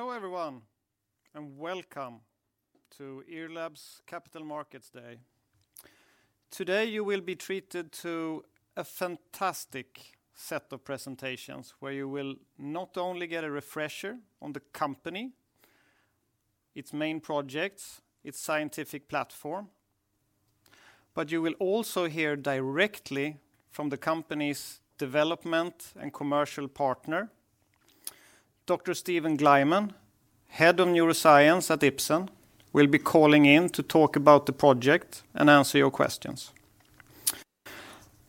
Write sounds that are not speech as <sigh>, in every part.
Hello, everyone, and welcome to IRLAB's Capital Markets Day. Today, you will be treated to a fantastic set of presentations where you will not only get a refresher on the company, its main projects, its scientific platform, but you will also hear directly from the company's development and commercial partner. Dr. Steven Glyman, Head of Neuroscience at Ipsen, will be calling in to talk about the project and answer your questions.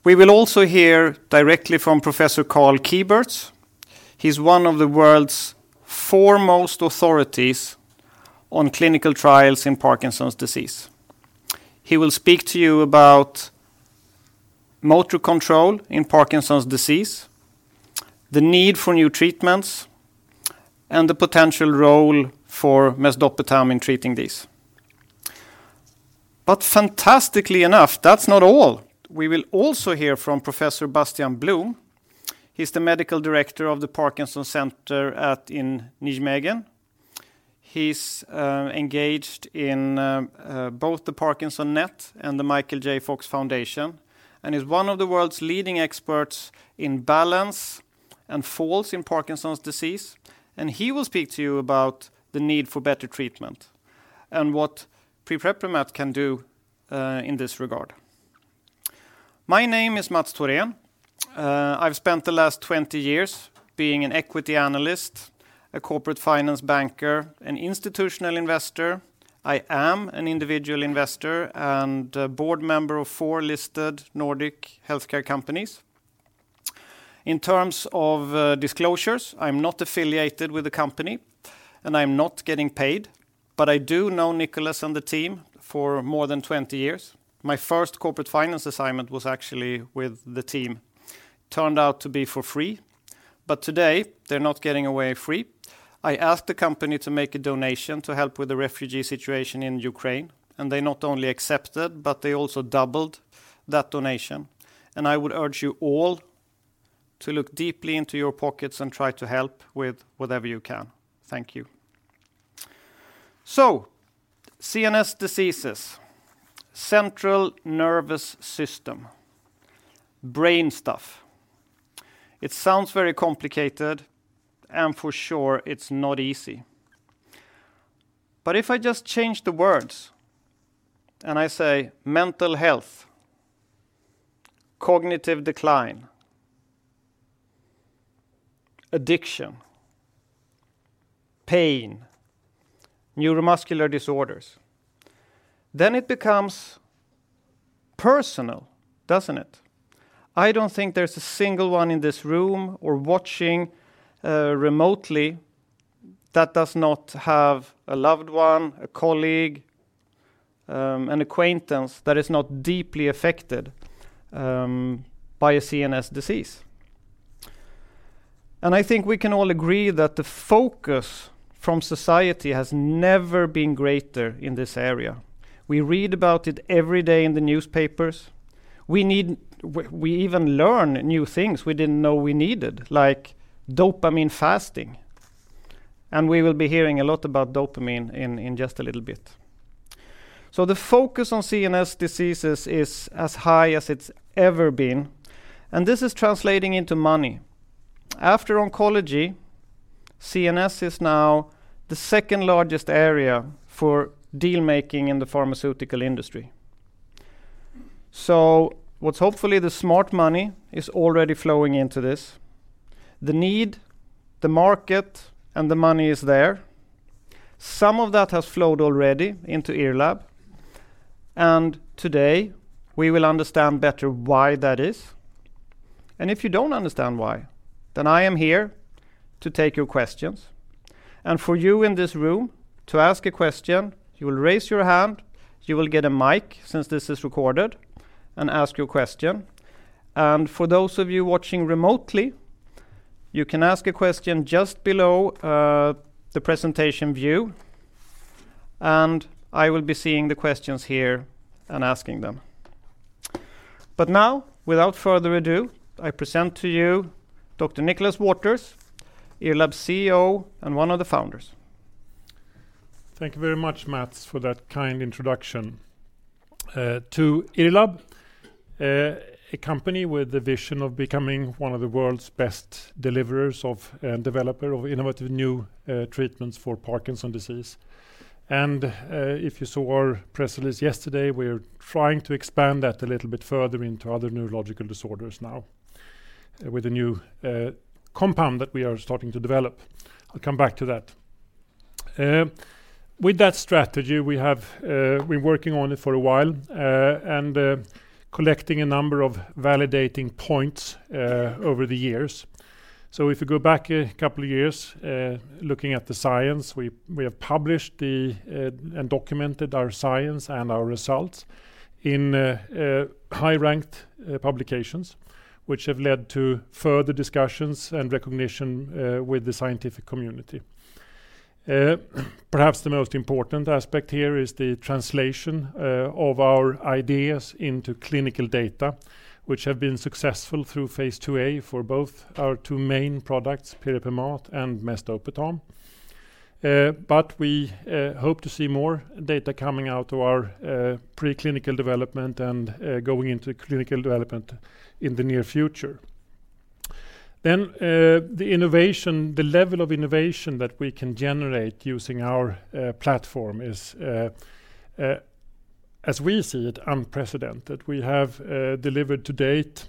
We will also hear directly from Professor Karl Kieburtz. He's one of the world's foremost authorities on clinical trials in Parkinson's disease. He will speak to you about motor control in Parkinson's disease, the need for new treatments, and the potential role for mesdopetam in treating this. Fantastically enough, that's not all. We will also hear from Professor Bastiaan Bloem. He's the Medical Director of the Parkinson Center in Nijmegen. He's engaged in both the ParkinsonNet and the Michael J. Fox Foundation, and is one of the world's leading experts in balance and falls in Parkinson's disease, and he will speak to you about the need for better treatment and what Pirepemat can do in this regard. My name is Mats Thorén. I've spent the last 20 years being an equity analyst, a corporate finance banker, an institutional investor. I am an individual investor and a board member of 4 listed Nordic healthcare companies. In terms of disclosures, I'm not affiliated with the company, and I'm not getting paid, but I do know Nicholas and the team for more than 20 years. My first corporate finance assignment was actually with the team. Turned out to be for free. Today, they're not getting away free. I asked the company to make a donation to help with the refugee situation in Ukraine, and they not only accepted, but they also doubled that donation. I would urge you all to look deeply into your pockets and try to help with whatever you can. Thank you. CNS diseases, central nervous system, brain stuff. It sounds very complicated, and for sure, it's not easy. If I just change the words and I say mental health, cognitive decline, addiction, pain, neuromuscular disorders, then it becomes personal, doesn't it? I don't think there's a single one in this room or watching remotely that does not have a loved one, a colleague, an acquaintance that is not deeply affected by a CNS disease. I think we can all agree that the focus from society has never been greater in this area. We read about it every day in the newspapers. We even learn new things we didn't know we needed, like dopamine fasting, and we will be hearing a lot about dopamine in just a little bit. The focus on CNS diseases is as high as it's ever been, and this is translating into money. After oncology, CNS is now the second-largest area for deal-making in the pharmaceutical industry. What's hopefully the smart money is already flowing into this. The need, the market, and the money is there. Some of that has flowed already into IRLAB, and today we will understand better why that is. If you don't understand why, then I am here to take your questions. For you in this room, to ask a question, you will raise your hand, you will get a mic, since this is recorded, and ask your question. For those of you watching remotely, you can ask a question just below, the presentation view, and I will be seeing the questions here and asking them. Now, without further ado, I present to you Dr. Nicholas Waters, IRLAB's CEO and one of the founders. Thank you very much, Mats, for that kind introduction to IRLAB, a company with the vision of becoming one of the world's best deliverers of and developer of innovative new treatments for Parkinson's disease. If you saw our press release yesterday, we're trying to expand that a little bit further into other neurological disorders now with a new compound that we are starting to develop. I'll come back to that. With that strategy, we have been working on it for a while and collecting a number of validating points over the years. If you go back a couple of years, looking at the science, we have published and documented our science and our results in high-ranked publications, which have led to further discussions and recognition with the scientific community. Perhaps the most important aspect here is the translation of our ideas into clinical data, which have been successful through phase II-A for both our two main products, Pirepemat and Mesdopetam. We hope to see more data coming out of our preclinical development and going into clinical development in the near future. The innovation, the level of innovation that we can generate using our platform is, as we see it, unprecedented. We have delivered to date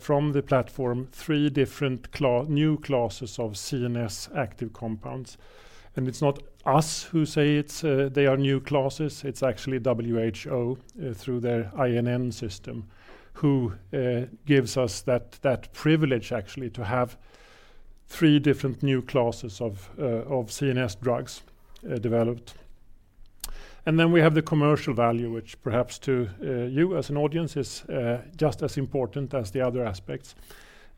from the platform three different new classes of CNS active compounds. It's not us who say it's they are new classes, it's actually WHO through their INN system who gives us that privilege actually to have three different new classes of CNS drugs developed. Then we have the commercial value, which perhaps to you as an audience is just as important as the other aspects.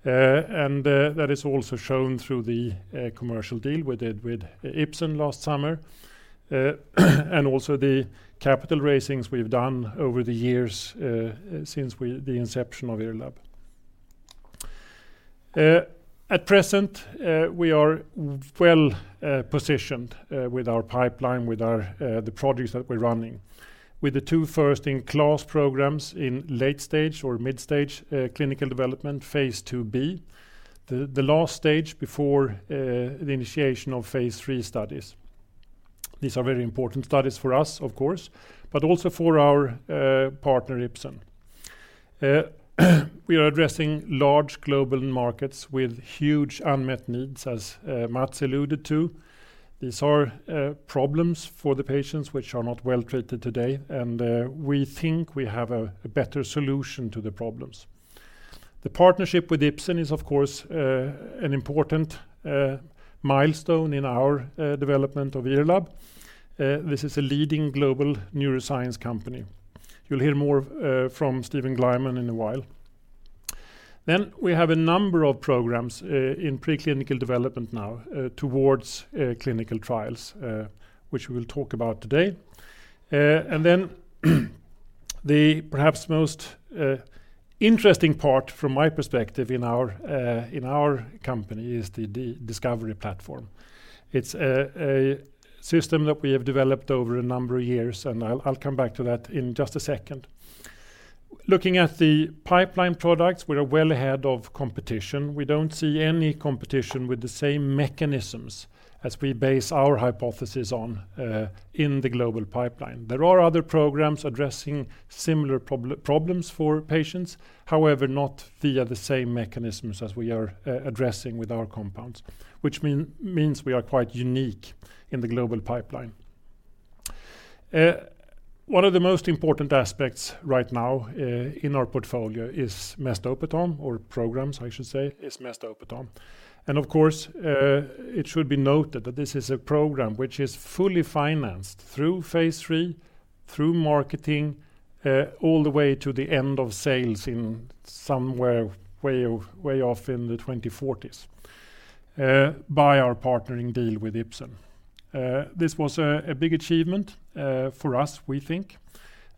That is also shown through the commercial deal we did with Ipsen last summer. And also the capital raisings we've done over the years, since the inception of IRLAB. At present, we are well positioned with our pipeline, with the projects that we're running. With the two first-in-class programs in late stage or mid stage, clinical development phase IIb, the last stage before the initiation of phase III studies. These are very important studies for us of course, but also for our partner, Ipsen. We are addressing large global markets with huge unmet needs, as Mats alluded to. These are problems for the patients which are not well treated today, and we think we have a better solution to the problems. The partnership with Ipsen is, of course, an important milestone in our development of IRLAB. This is a leading global neuroscience company. You'll hear more from Steven Glyman in a while. We have a number of programs in preclinical development now towards clinical trials, which we'll talk about today. The perhaps most interesting part from my perspective in our company is the discovery platform. It's a system that we have developed over a number of years, and I'll come back to that in just a second. Looking at the pipeline products, we are well ahead of competition. We don't see any competition with the same mechanisms as we base our hypothesis on in the global pipeline. There are other programs addressing similar problems for patients. However, not via the same mechanisms as we are addressing with our compounds, which means we are quite unique in the global pipeline. One of the most important aspects right now in our portfolio is Mesdopetam, or programs I should say, Mesdopetam. Of course, it should be noted that this is a program which is fully financed through phase III, through marketing, all the way to the end of sales way off in the 2040s, by our partnering deal with Ipsen. This was a big achievement for us, we think,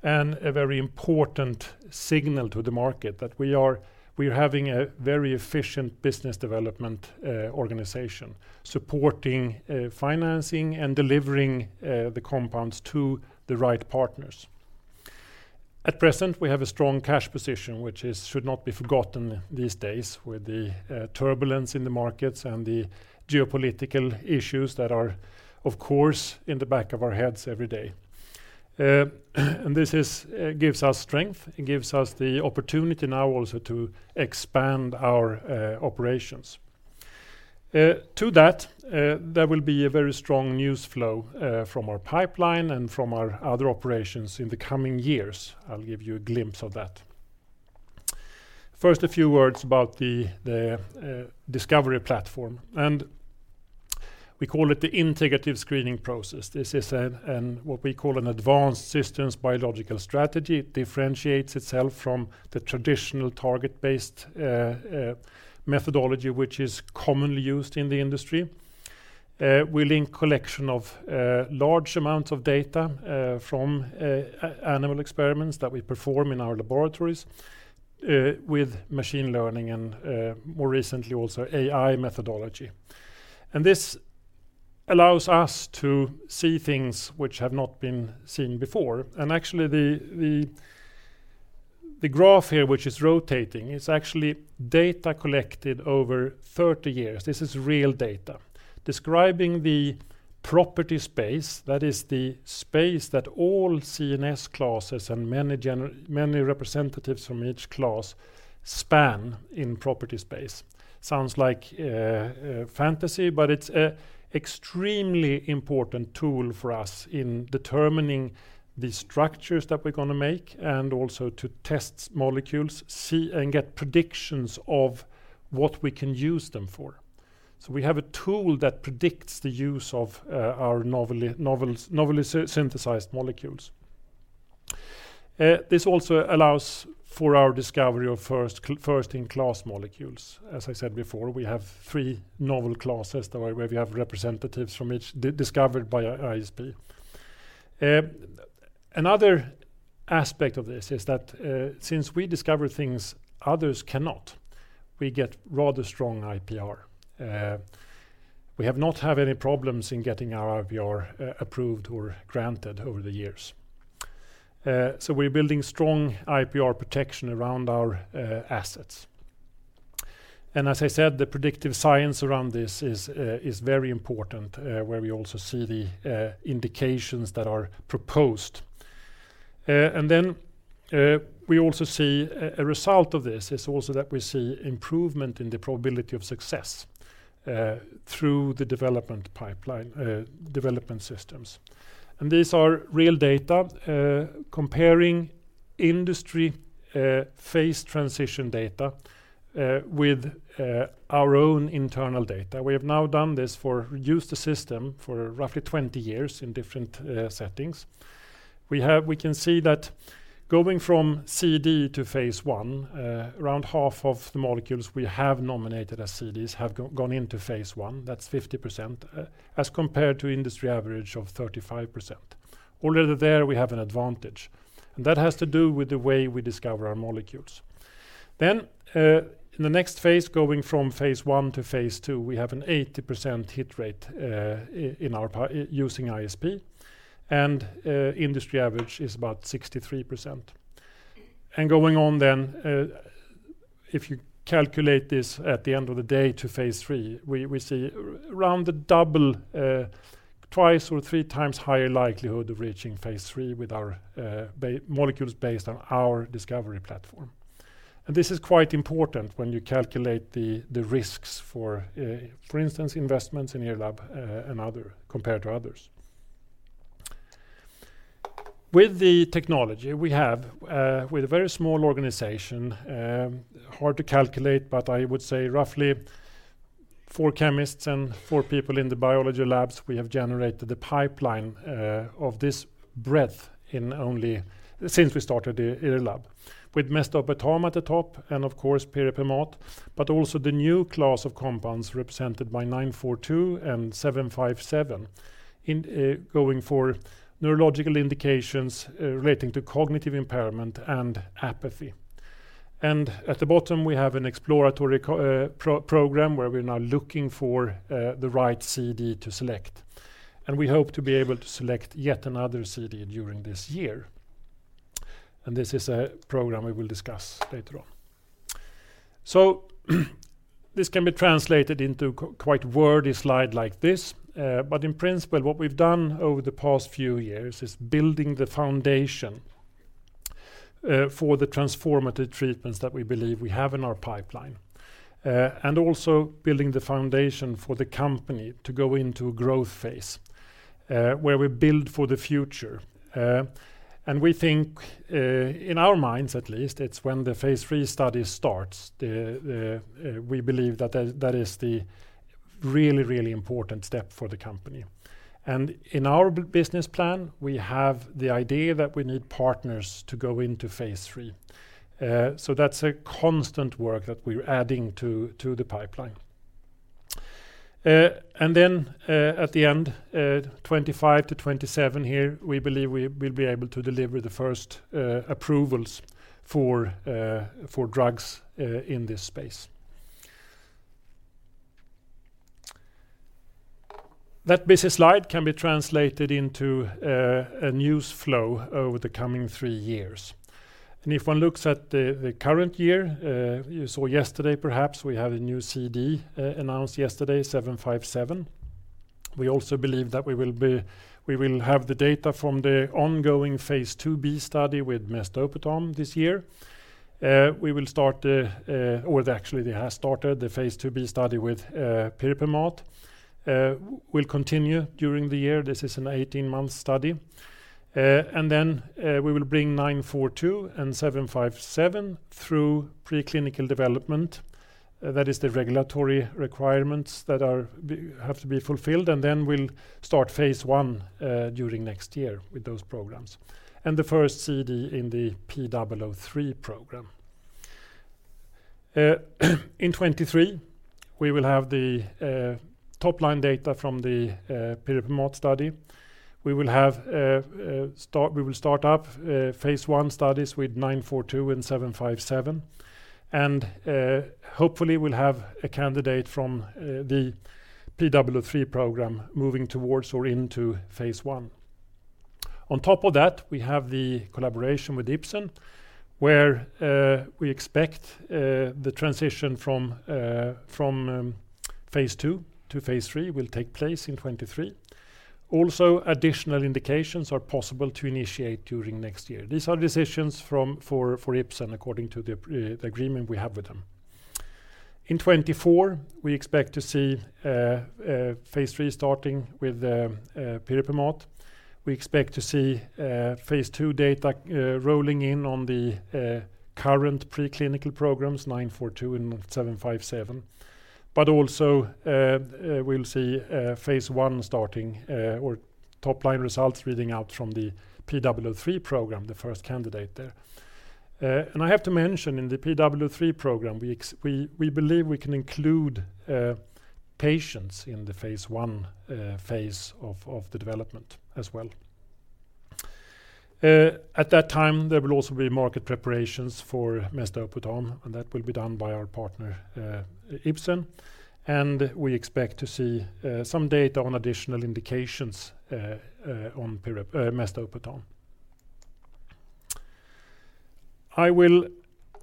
and a very important signal to the market that we're having a very efficient business development organization supporting financing and delivering the compounds to the right partners. At present, we have a strong cash position, which should not be forgotten these days with the turbulence in the markets and the geopolitical issues that are, of course, in the back of our heads every day. This gives us strength. It gives us the opportunity now also to expand our operations. To that, there will be a very strong news flow from our pipeline and from our other operations in the coming years. I'll give you a glimpse of that. First, a few words about the discovery platform, and we call it the integrative screening process. This is what we call an advanced systems biological strategy. It differentiates itself from the traditional target-based methodology, which is commonly used in the industry. We link collection of large amounts of data from animal experiments that we perform in our laboratories with machine learning and, more recently, also AI methodology. This allows us to see things which have not been seen before. Actually, the graph here, which is rotating, is actually data collected over 30 years. This is real data describing the property space, that is the space that all CNS classes and many representatives from each class span in property space. Sounds like fantasy, but it's an extremely important tool for us in determining the structures that we're gonna make and also to test molecules and get predictions of what we can use them for. We have a tool that predicts the use of our novelty synthesized molecules. This also allows for our discovery of first in class molecules. As I said before, we have three novel classes where we have representatives from each discovered by ISP. Another aspect of this is that since we discover things others cannot, we get rather strong IPR. We have not had any problems in getting our IPR approved or granted over the years. We're building strong IPR protection around our assets. As I said, the predictive science around this is very important, where we also see the indications that are proposed. We also see a result of this is also that we see improvement in the probability of success through the development pipeline, development systems. These are real data comparing industry phase transition data with our own internal data. We have now used the system for roughly 20 years in different settings. We can see that going from CD to phase I, around half of the molecules we have nominated as CDs have gone into phase I. That's 50%, as compared to industry average of 35%. Already there, we have an advantage, and that has to do with the way we discover our molecules. In the next phase, going from phase I to phase II, we have an 80% hit rate using ISP, and industry average is about 63%. If you calculate this at the end of the day to phase III, we see around double, twice or three times higher likelihood of reaching phase III with our molecules based on our discovery platform. This is quite important when you calculate the risks for instance, investments in IRLAB and others compared to others. With the technology we have, with a very small organization, hard to calculate, but I would say roughly fout chemists and four people in the biology labs, we have generated the pipeline of this breadth since we started IRLAB. With Mesdopetam at the top and of course Pirepemat, but also the new class of compounds represented by IRL942 and IRL757, going for neurological indications relating to cognitive impairment and apathy. At the bottom, we have an exploratory program where we're now looking for the right CD to select, and we hope to be able to select yet another CD during this year. This is a program we will discuss later on. This can be translated into quite wordy slide like this. But in principle, what we've done over the past few years is building the foundation for the transformative treatments that we believe we have in our pipeline, and also building the foundation for the company to go into growth phase where we build for the future. We think, in our minds at least, it's when the phase III study starts. We believe that is the really important step for the company. In our business plan, we have the idea that we need partners to go into phase III. That's a constant work that we're adding to the pipeline. At the end, 2025-2027 here, we believe we'll be able to deliver the first approvals for drugs in this space. That busy slide can be translated into a news flow over the coming three years. If one looks at the current year, you saw yesterday perhaps, we have a new CD announced yesterday, IRL757. We also believe that we will have the data from the ongoing phase IIb study with mesdopetam this year. Actually, they have started the phase IIb study with pirepemat. It will continue during the year. This is an 18-month study. We will bring IRL942 and IRL757 through preclinical development. That is the regulatory requirements that have to be fulfilled, and then we'll start phase I during next year with those programs, and the first IND in the P003 program. In 2023, we will have the top-line data from the pirepemat study. We will start up phase I studies with IRL942 and IRL757. Hopefully, we'll have a candidate from the P003 program moving towards or into phase I. On top of that, we have the collaboration with Ipsen, where we expect the transition from phase II to phase III will take place in 2023. Also, additional indications are possible to initiate during next year. These are decisions from Ipsen according to the agreement we have with them. In 2024, we expect to see phase III starting with Pirepemat. We expect to see phase II data rolling in on the current preclinical programs, IRL942 and IRL757. Also, we'll see phase I starting or top-line results reading out from the P003 program, the first candidate there. I have to mention in the P003 program, we believe we can include patients in the phase I of the development as well. At that time, there will also be market preparations for mesdopetam, and that will be done by our partner, Ipsen. We expect to see some data on additional indications on mesdopetam. I will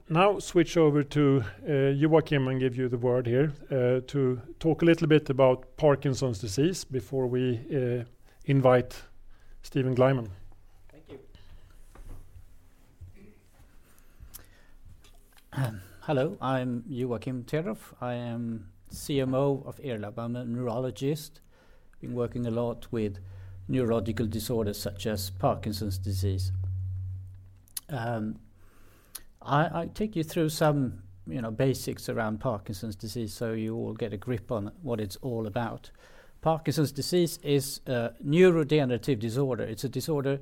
now switch over to Joakim and give you the word here to talk a little bit about Parkinson's disease before we invite Steven Glyman. Thank you. Hello, I'm Joakim Tedroff. I am CMO of IRLAB. I'm a neurologist. Been working a lot with neurological disorders such as Parkinson's disease. I take you through some, you know, basics around Parkinson's disease, so you all get a grip on what it's all about. Parkinson's disease is a neurodegenerative disorder. It's a disorder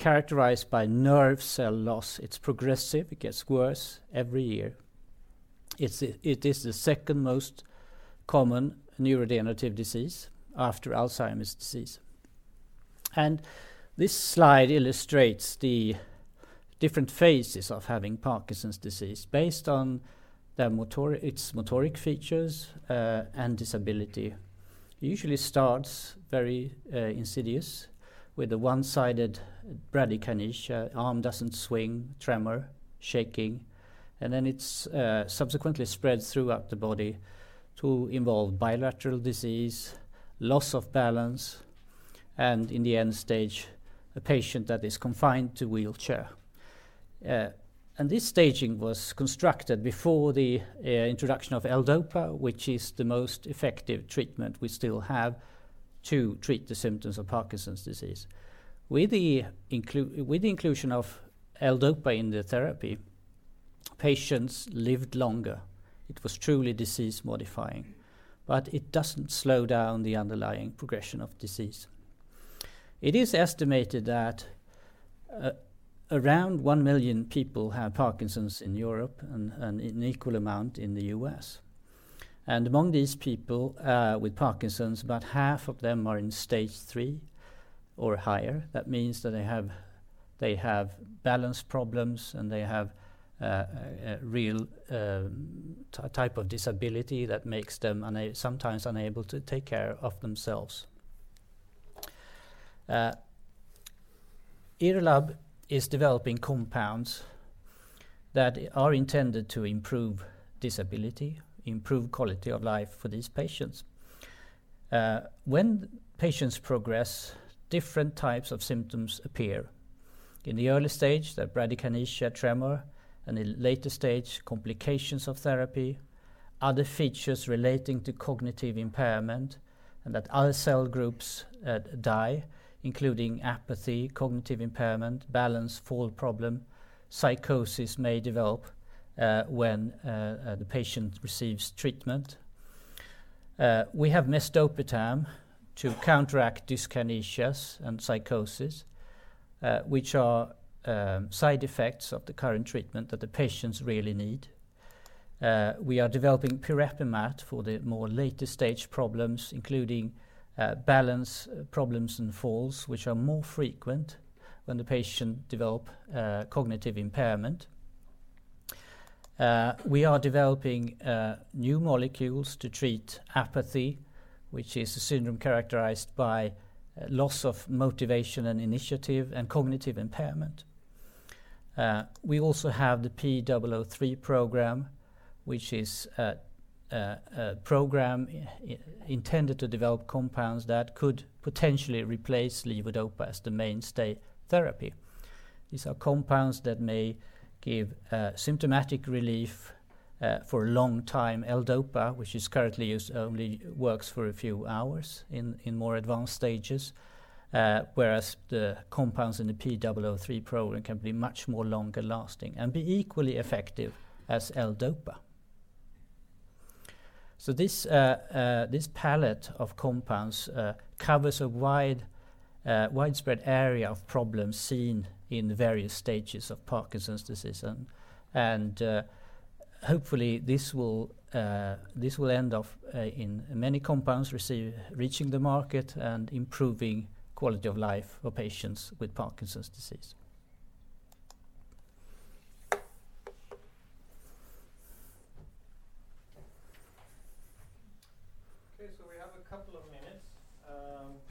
characterized by nerve cell loss. It's progressive. It gets worse every year. It is the second most common neurodegenerative disease after Alzheimer's disease. This slide illustrates the different phases of having Parkinson's disease based on its motor features and disability. It usually starts very insidious with a one-sided bradykinesia, arm doesn't swing, tremor, shaking, and then it subsequently spreads throughout the body to involve bilateral disease, loss of balance, and in the end stage, a patient that is confined to wheelchair. This staging was constructed before the introduction of L-DOPA, which is the most effective treatment we still have to treat the symptoms of Parkinson's disease. With the inclusion of L-DOPA in the therapy, patients lived longer. It was truly disease modifying, but it doesn't slow down the underlying progression of disease. It is estimated that around 1 million people have Parkinson's in Europe and an equal amount in the US. Among these people with Parkinson's, about half of them are in stage 3 or higher. That means that they have balance problems and they have a real type of disability that makes them sometimes unable to take care of themselves. IRLAB is developing compounds that are intended to improve disability, improve quality of life for these patients. When patients progress, different types of symptoms appear. In the early stage, the bradykinesia, tremor, and in later stage, complications of therapy, other features relating to cognitive impairment, and that other cell groups die, including apathy, cognitive impairment, balance, fall problem, psychosis may develop when the patient receives treatment. We have Mesdopetam to counteract dyskinesias and psychosis, which are side effects of the current treatment that the patients really need. We are developing Pirepemat for the more later stage problems, including balance problems and falls, which are more frequent when the patient develop cognitive impairment. We are developing new molecules to treat apathy, which is a syndrome characterized by loss of motivation and initiative and cognitive impairment. We also have the P003 program, which is a program intended to develop compounds that could potentially replace levodopa as the mainstay therapy. These are compounds that may give symptomatic relief for a long time. L-DOPA, which is currently used, only works for a few hours in more advanced stages, whereas the compounds in the P003 program can be much more longer lasting and be equally effective as L-DOPA. This palette of compounds covers a wide widespread area of problems seen in the various stages of Parkinson's disease. Hopefully, this will end off in many compounds reaching the market and improving quality of life for patients with Parkinson's disease.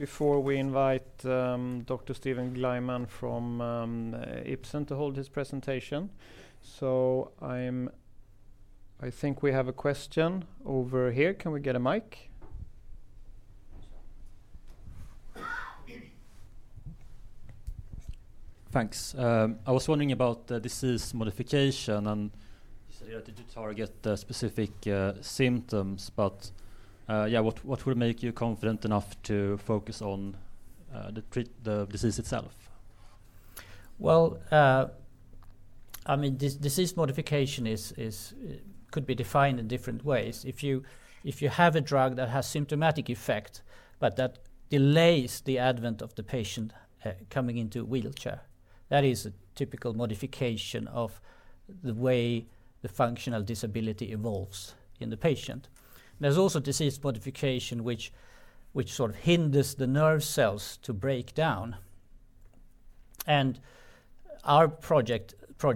Okay. We have a couple of minutes before we invite Dr. Steven Glyman from Ipsen to hold his presentation. I think we have a question over here. Can we get a mic? Thanks. I was wondering about the disease modification, and you said that you target the specific symptoms, but what would make you confident enough to focus on the disease itself? Well, I mean, disease modification is or could be defined in different ways. If you have a drug that has symptomatic effect, but that delays the advent of the patient coming into a wheelchair, that is a typical modification of the way the functional disability evolves in the patient. There's also disease modification which sort of hinders the nerve cells to break down. Our projects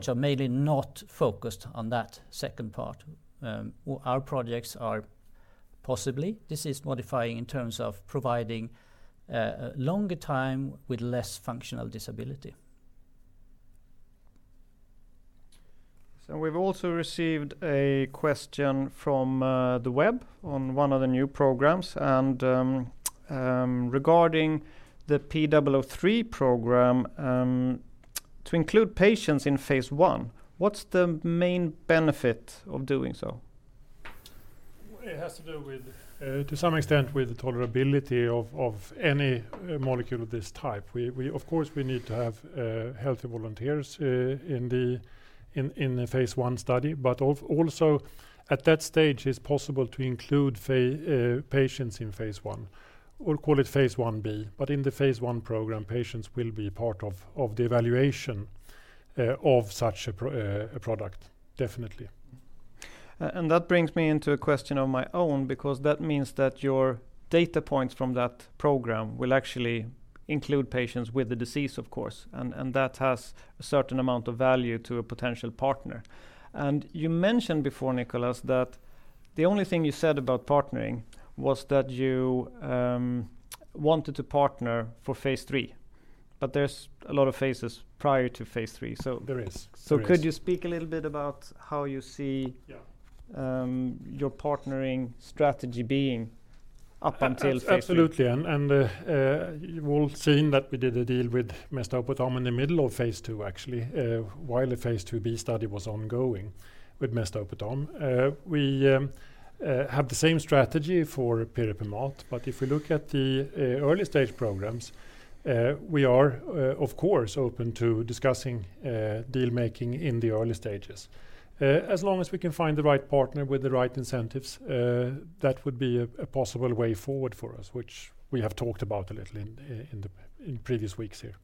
are mainly not focused on that second part. Our projects are possibly disease-modifying in terms of providing longer time with less functional disability. We've also received a question from the web on one of the new programs. Regarding the P003 program, to include patients in phase I, what's the main benefit of doing so? It has to do with, to some extent, with the tolerability of any molecule of this type. Of course, we need to have healthy volunteers in the phase I study. Also, at that stage, it's possible to include patients in phase I, or call it phase I-B. In the phase I program, patients will be part of the evaluation of such a product, definitely. That brings me into a question of my own because that means that your data points from that program will actually include patients with the disease, of course. That has a certain amount of value to a potential partner. You mentioned before, Nicholas, that the only thing you said about partnering was that you wanted to partner for phase III, but there's a lot of phases prior to phase III, so There is. Could you speak a little bit about how you see Yeah your partnering strategy being up until phase III? Absolutely. You've all seen that we did a deal with mesdopetam in the middle of phase II, actually, while the phase II-B study was ongoing with mesdopetam. We have the same strategy for Pirepemat. If we look at the early stage programs, we are, of course, open to discussing deal-making in the early stages. As long as we can find the right partner with the right incentives, that would be a possible way forward for us, which we have talked about a little in previous weeks here.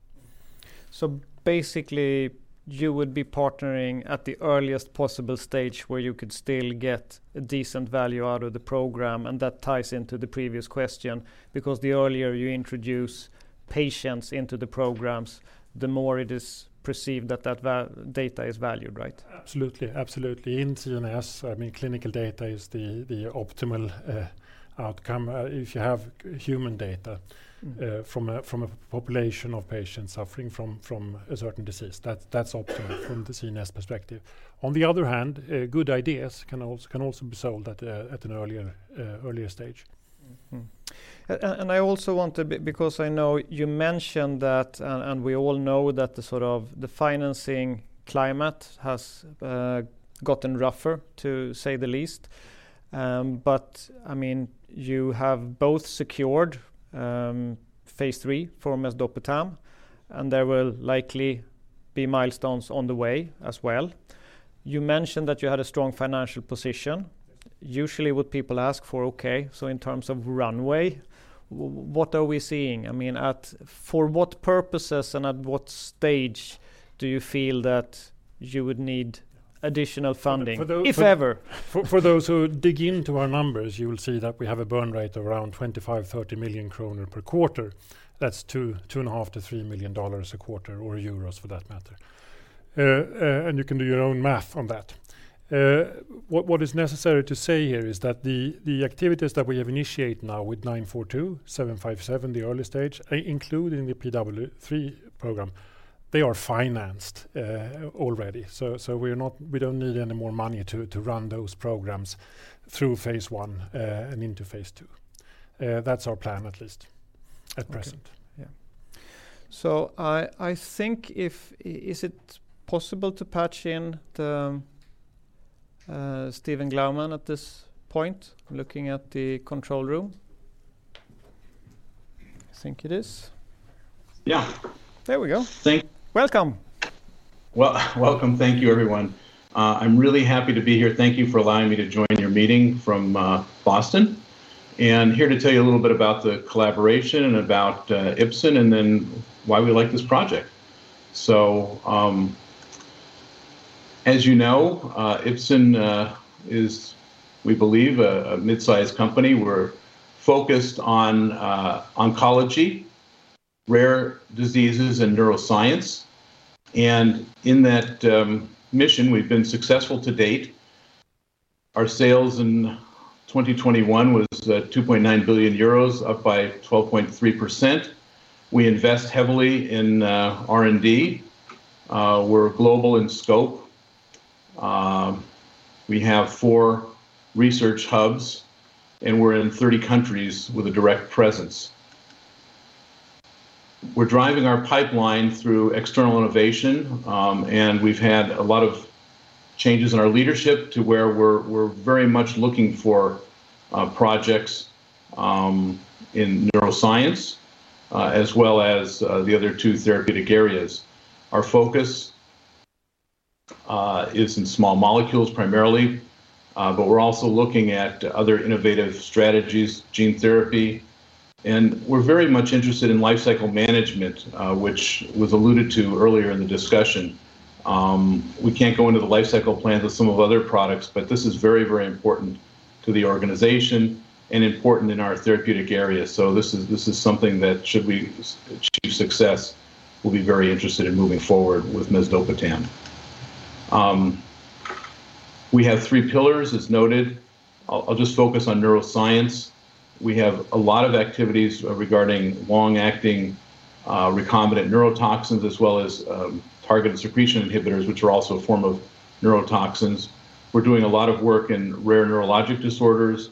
Basically, you would be partnering at the earliest possible stage where you could still get a decent value out of the program, and that ties into the previous question. Because the earlier you introduce patients into the programs, the more it is perceived that data is valued, right? Absolutely. In CNS, I mean, clinical data is the optimal outcome. If you have human data. Mm-hmm From a population of patients suffering from a certain disease, that's optimal from the CNS perspective. On the other hand, good ideas can also be sold at an earlier stage. I also want to because I know you mentioned that and we all know that the financing climate has gotten rougher, to say the least. I mean, you have both secured phase III for Mesdopetam, and there will likely be milestones on the way as well. You mentioned that you had a strong financial position. Usually, what people ask for, in terms of runway, what are we seeing? I mean, for what purposes and at what stage do you feel that you would need additional funding? For those if ever? For those who dig into our numbers, you will see that we have a burn rate around 25 million-30 million kronor per quarter. That's two and a half to three million dollars a quarter, or euros for that matter. And you can do your own math on that. What is necessary to say here is that the activities that we have initiated now with IRL942, IRL757, the early stage, including the P003 program, they are financed already. We're not. We don't need any more money to run those programs through phase I and into phase II. That's our plan at least at present. Okay. Yeah. I think, is it possible to patch in Steven Glyman at this point? Looking at the control room. I think it is. Yeah. There we go. Thank- Welcome. Welcome. Thank you, everyone. I'm really happy to be here. Thank you for allowing me to join your meeting from Boston. I'm here to tell you a little bit about the collaboration and about Ipsen and then why we like this project. As you know, Ipsen is, we believe, a mid-sized company. We're focused on oncology, rare diseases, and neuroscience. In that mission, we've been successful to date. Our sales in 2021 was 2.9 billion euros, up by 12.3%. We invest heavily in R&D. We're global in scope. We have four research hubs, and we're in 30 countries with a direct presence. We're driving our pipeline through external innovation, and we've had a lot of changes in our leadership to where we're very much looking for projects in neuroscience as well as the other two therapeutic areas. Our focus is in small molecules primarily, but we're also looking at other innovative strategies, gene therapy. We're very much interested in life cycle management, which was alluded to earlier in the discussion. We can't go into the life cycle plans of some of our other products, but this is very, very important to the organization and important in our therapeutic area. This is something that should we achieve success, we'll be very interested in moving forward with mesdopetam. We have three pillars, as noted. I'll just focus on neuroscience. We have a lot of activities regarding long-acting recombinant neurotoxins as well as targeted secretion inhibitors, which are also a form of neurotoxins. We're doing a lot of work in rare neurologic disorders.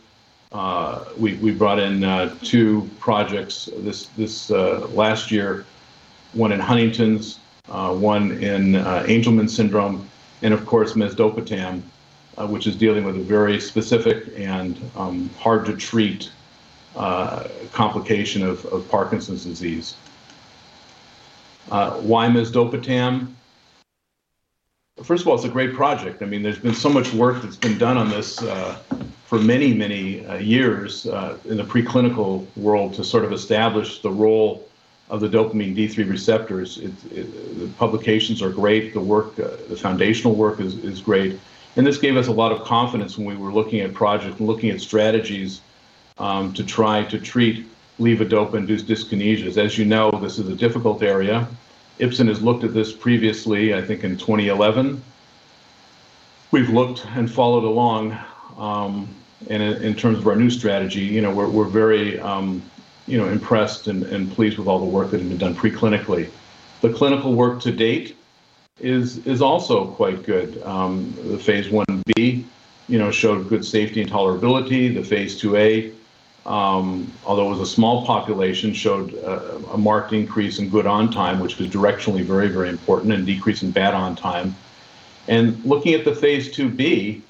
We brought in two projects this last year, one in Huntington's, one in Angelman syndrome, and of course, Mesdopetam, which is dealing with a very specific and hard to treat complication of Parkinson's disease. Why Mesdopetam? First of all, it's a great project. I mean, there's been so much work that's been done on this for many years in the preclinical world to sort of establish the role of the dopamine D3 receptors. The publications are great. The work, the foundational work is great. This gave us a lot of confidence when we were looking at strategies to try to treat levodopa-induced dyskinesias. As you know, this is a difficult area. Ipsen has looked at this previously, I think in 2011. We've looked and followed along, and in terms of our new strategy. You know, we're very, you know, impressed and pleased with all the work that had been done preclinically. The clinical work to date is also quite good. The phase I-B, you know, showed good safety and tolerability. The phase II-A, although it was a small population, showed a marked increase in good ON time, which was directionally very important, and decrease in bad ON time. Looking at the phase II-B,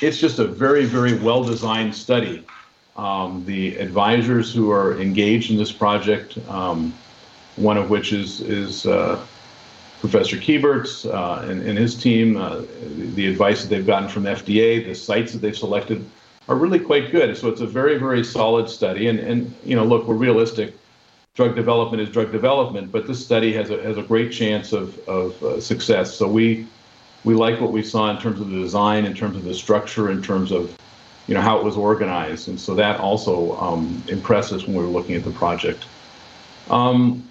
it's just a very well-designed study. The advisors who are engaged in this project, one of which is Professor Kieburtz's and his team. The advice that they've gotten from FDA, the sites that they've selected are really quite good. It's a very solid study and, you know, look, we're realistic. Drug development is drug development. This study has a great chance of success. We like what we saw in terms of the design, in terms of the structure, in terms of, you know, how it was organized. That also impressed us when we were looking at the project. I'm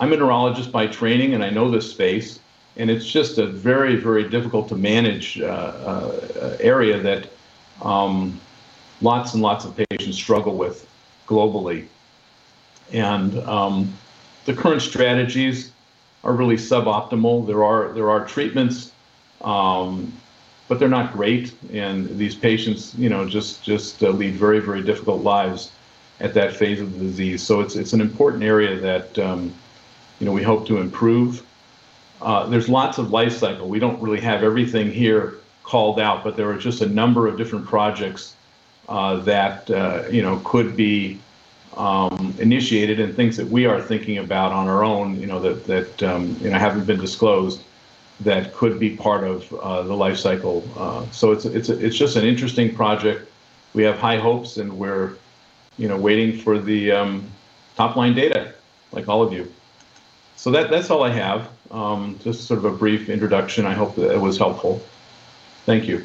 a neurologist by training, and I know this space, and it's just a very difficult to manage area that lots and lots of patients struggle with globally. The current strategies are really suboptimal. There are treatments, but they're not great. These patients, you know, just lead very difficult lives at that phase of the disease. It's an important area that, you know, we hope to improve. There's lots of life cycle. We don't really have everything here called out, but there are just a number of different projects that, you know, could be initiated and things that we are thinking about on our own, you know, that haven't been disclosed that could be part of the life cycle. It's just an interesting project. We have high hopes, and we're, you know, waiting for the top-line data, like all of you. That's all I have. Just sort of a brief introduction. I hope that it was helpful. Thank you.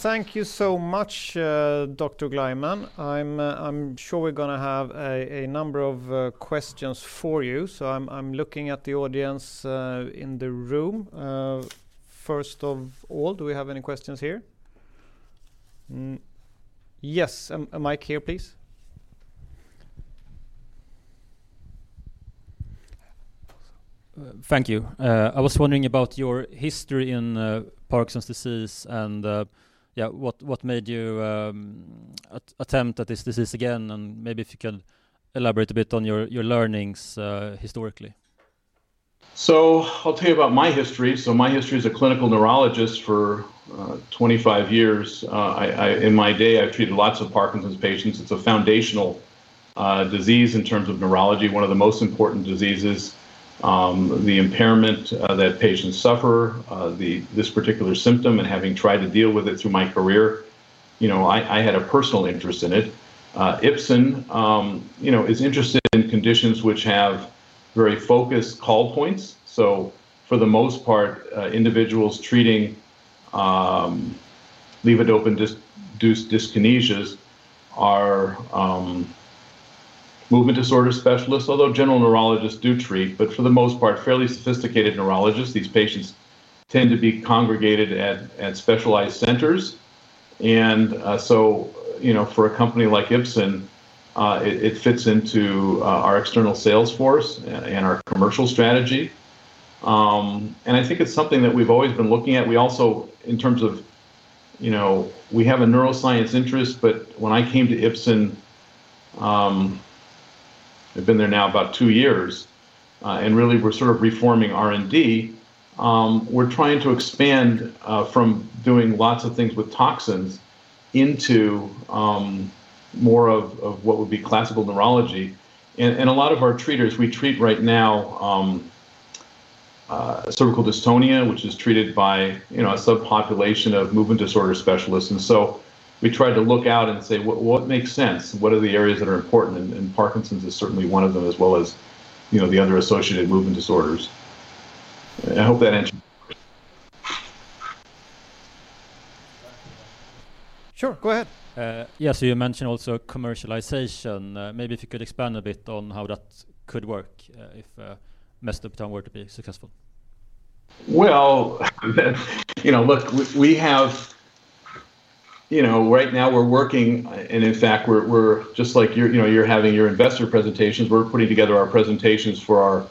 Thank you so much, Dr. Glyman. I'm sure we're gonna have a number of questions for you. I'm looking at the audience in the room. First of all, do we have any questions here? Yes. A mic here, please. Thank you. I was wondering about your history in Parkinson's disease and yeah, what made you attempt at this disease again, and maybe if you can elaborate a bit on your learnings historically. I'll tell you about my history. My history as a clinical neurologist for 25 years. In my day, I've treated lots of Parkinson's patients. It's a foundational disease in terms of neurology, one of the most important diseases. The impairment that patients suffer, this particular symptom and having tried to deal with it through my career, you know, I had a personal interest in it. Ipsen, you know, is interested in conditions which have very focused call points. For the most part, individuals treating levodopa-induced dyskinesias are movement disorder specialists, although general neurologists do treat, but for the most part, fairly sophisticated neurologists. These patients tend to be congregated at specialized centers. You know, for a company like Ipsen, it fits into our external sales force and our commercial strategy. I think it's something that we've always been looking at. We also, in terms of, you know, we have a neuroscience interest, but when I came to Ipsen, I've been there now about two years, and really we're sort of reforming R&D. We're trying to expand from doing lots of things with toxins into more of what would be classical neurology. A lot of our treaters we treat right now, cervical dystonia, which is treated by, you know, a subpopulation of movement disorder specialists. We tried to look out and say, "What makes sense? What are the areas that are important?" Parkinson's is certainly one of them, as well as, you know, the other associated movement disorders. I hope that answers your question. Sure, go ahead. Yeah, you mentioned also commercialization. Maybe if you could expand a bit on how that could work, if Mesdopetam were to be successful. Well, you know, look, we have. You know, right now we're working, and in fact we're just like you're, you know, you're having your investor presentations, we're putting together our presentations for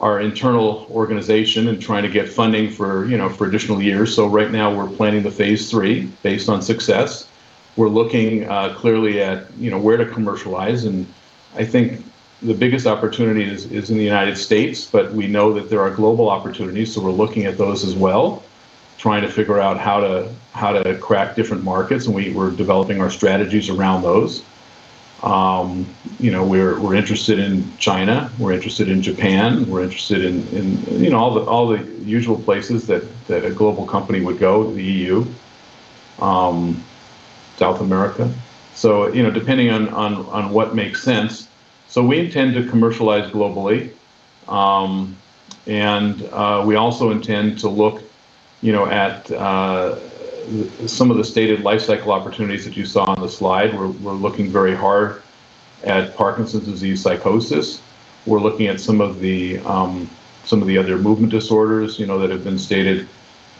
our internal organization and trying to get funding for, you know, for additional years. Right now we're planning the phase III based on success. We're looking clearly at, you know, where to commercialize, and I think the biggest opportunity is in the United States, but we know that there are global opportunities, so we're looking at those as well, trying to figure out how to crack different markets, and we're developing our strategies around those. You know, we're Kieburtz interested in China. We're interested in Japan. We're interested in you know all the usual places that a global company would go, the EU, South America. You know depending on what makes sense. We intend to commercialize globally. We also intend to look you know at some of the stated lifecycle opportunities that you saw on the slide. We're looking very hard at Parkinson's disease psychosis. We're looking at some of the other movement disorders you know that have been stated,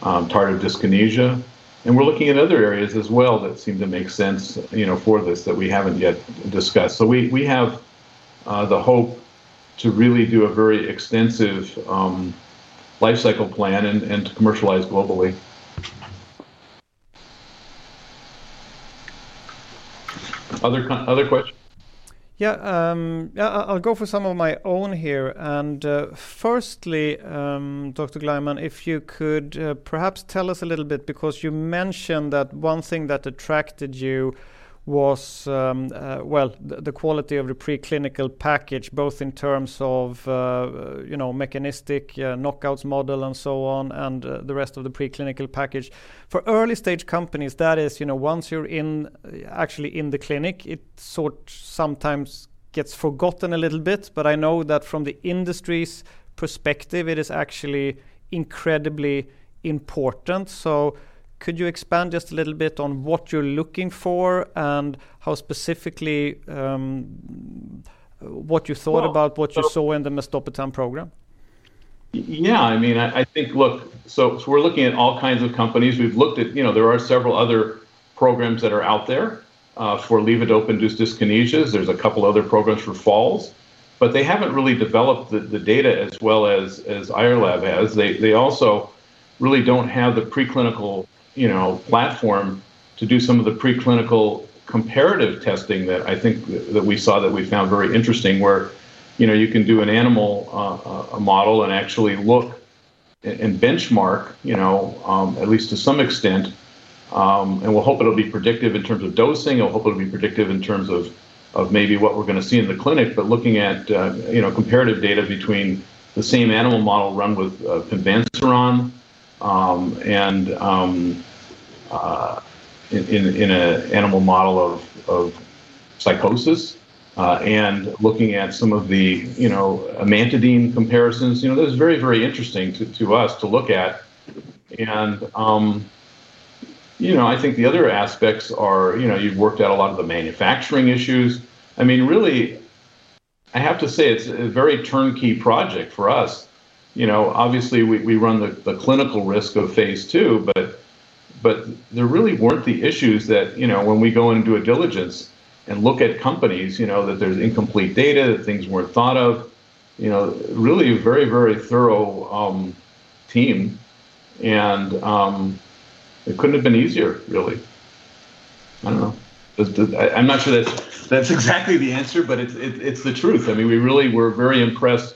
tardive dyskinesia. We're looking at other areas as well that seem to make sense you know for this that we haven't yet discussed. We have the hope to really do a very extensive lifecycle plan and to commercialize globally. Other questions? Yeah, I'll go for some of my own here. Firstly, Dr. Glyman, if you could perhaps tell us a little bit, because you mentioned that one thing that attracted you was, well, the quality of the preclinical package, both in terms of, you know, mechanistic knockout models and so on, and the rest of the preclinical package. For early-stage companies, that is, you know, once you're actually in the clinic, it sort of sometimes gets forgotten a little bit. I know that from the industry's perspective, it is actually incredibly important. Could you expand just a little bit on what you're looking for and how specifically what you thought about what you saw in the Mesdopetam program? Yeah, I mean, I think. Look, we're looking at all kinds of companies. We've looked at, you know, there are several other programs that are out there for levodopa-induced dyskinesia. There's a couple other programs for falls. They haven't really developed the data as well as IRLAB has. They also really don't have the preclinical, you know, platform to do some of the preclinical comparative testing that I think that we saw that we found very interesting, where, you know, you can do an animal model and actually look and benchmark, you know, at least to some extent. We'll hope it'll be predictive in terms of dosing, and we'll hope it'll be predictive in terms of of maybe what we're gonna see in the clinic. Looking at comparative data between the same animal model run with pimavanserin and in an animal model of psychosis and looking at some of the amantadine comparisons. You know, that was very interesting to us to look at. I think the other aspects are, you know, you've worked out a lot of the manufacturing issues. I mean, really, I have to say it's a very turnkey project for us. You know, obviously we run the clinical risk of phase II, but there really weren't the issues that, you know, when we go and do a diligence and look at companies, you know, that there's incomplete data, that things weren't thought of. You know, really a very thorough team. It couldn't have been easier really. I don't know. I'm not sure that's exactly the answer, but it's the truth. I mean, we really were very impressed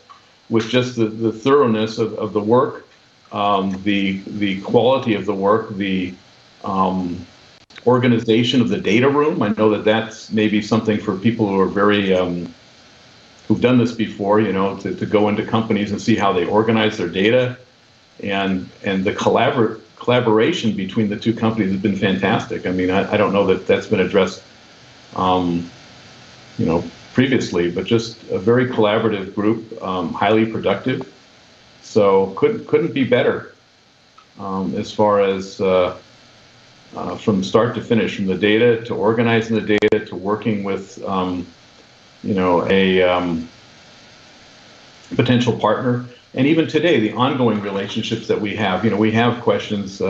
with just the thoroughness of the work, the quality of the work, the organization of the data room. I know that that's maybe something for people who are very, who've done this before, you know, to go into companies and see how they organize their data. The collaboration between the two companies has been fantastic. I mean, I don't know that that's been addressed, you know, previously, but just a very collaborative group, highly productive. Couldn't be better, as far as, from start to finish, from the data, to organizing the data, to working with, you know, a potential partner, even today, the ongoing relationships that we have. You know, we have questions,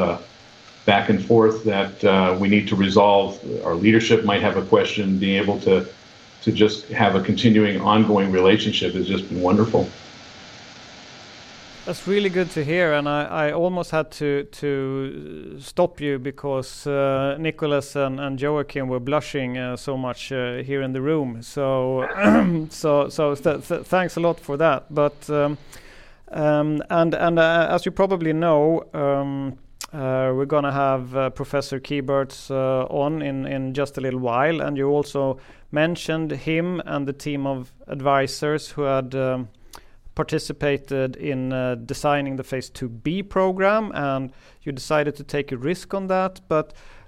back and forth that we need to resolve. Our leadership might have a question. Being able to just have a continuing ongoing relationship has just been wonderful. That's really good to hear. I almost had to stop you because Nicholas and Joakim were blushing so much here in the room. Thanks a lot for that. As you probably know, we're gonna have Professor Kieburtz on in just a little while. You also mentioned him and the team of advisors who had participated in designing the phase II-B program, and you decided to take a risk on that.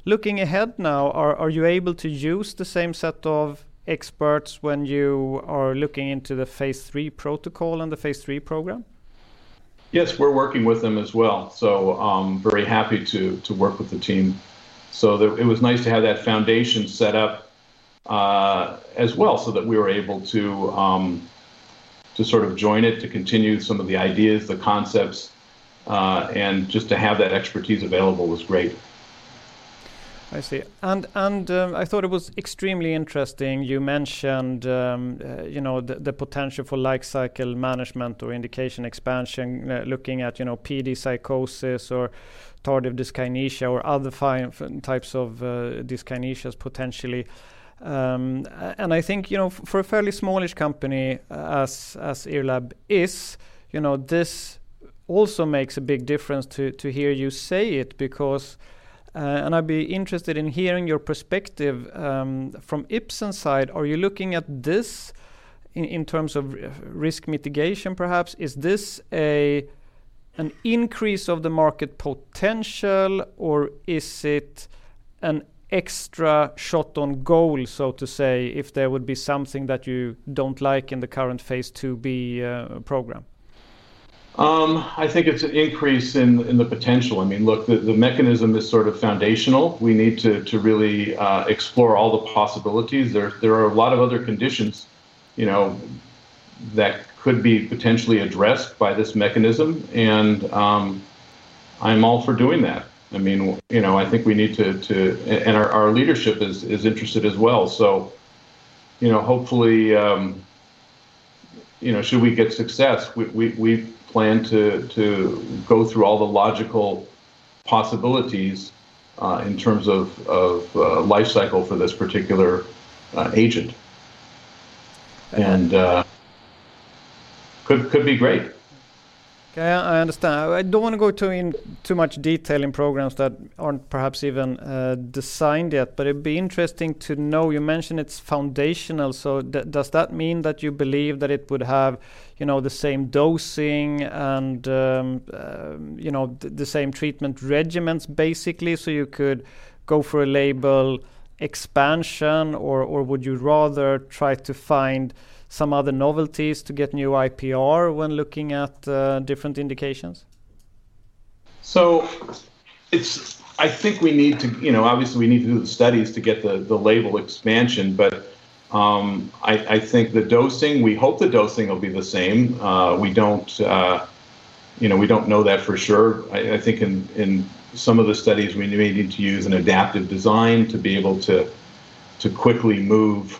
Looking ahead now, are you able to use the same set of experts when you are looking into the phase III protocol and the phase III program? Yes, we're working with them as well. Very happy to work with the team. It was nice to have that foundation set up, as well, so that we were able to sort of join it, to continue some of the ideas, the concepts, and just to have that expertise available was great. I see. I thought it was extremely interesting. You mentioned the potential for life cycle management or indication expansion, looking at PD psychosis or tardive dyskinesia or other types of dyskinesias potentially. I think, for a fairly smallish company as IRLAB is, you know, this also makes a big difference to hear you say it because. I'd be interested in hearing your perspective from Ipsen's side. Are you looking at this in terms of risk mitigation perhaps? Is this an increase of the market potential, or is it an extra shot on goal, so to say, if there would be something that you don't like in the current phase II-B program? I think it's an increase in the potential. I mean, look, the mechanism is sort of foundational. We need to really explore all the possibilities. There are a lot of other conditions, you know, that could be potentially addressed by this mechanism, and I'm all for doing that. I mean, you know, I think we need to. Our leadership is interested as well. You know, hopefully, you know, should we get success, we plan to go through all the logical possibilities in terms of life cycle for this particular agent. It could be great. Okay. I understand. I don't wanna go into too much detail in programs that aren't perhaps even designed yet. It'd be interesting to know, you mentioned it's foundational, so does that mean that you believe that it would have, you know, the same dosing and, you know, the same treatment regimens basically so you could go for a label expansion? Or would you rather try to find some other novelties to get new IPR when looking at different indications? I think we need to obviously do the studies to get the label expansion. I think the dosing, we hope the dosing will be the same. We don't know that for sure. I think in some of the studies, we may need to use an adaptive design to be able to quickly move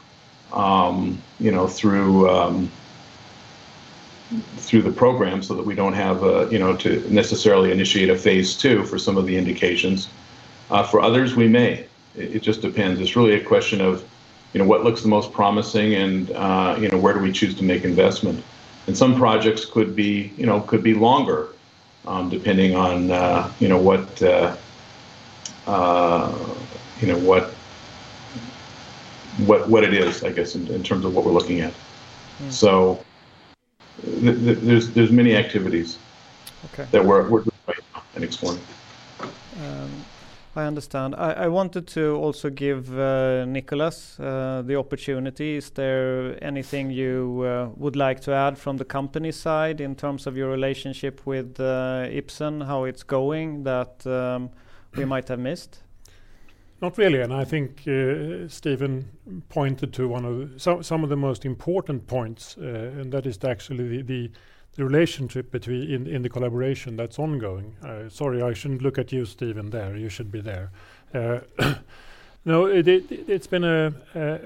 through the program so that we don't have to necessarily initiate a phase II for some of the indications. For others, we may. It just depends. It's really a question of what looks the most promising and where do we choose to make investment. Some projects could be longer, you know, depending on what it is, I guess, in terms of what we're looking at. Mm. There's many activities. Okay that we're <audio distortion> I understand. I wanted to also give Nicholas the opportunity. Is there anything you would like to add from the company side in terms of your relationship with Ipsen, how it's going, that we might have missed? Not really. I think Steven pointed to some of the most important points, and that is actually in the collaboration that's ongoing. Sorry, I shouldn't look at you, Steven, there. You should be there. No, it's been a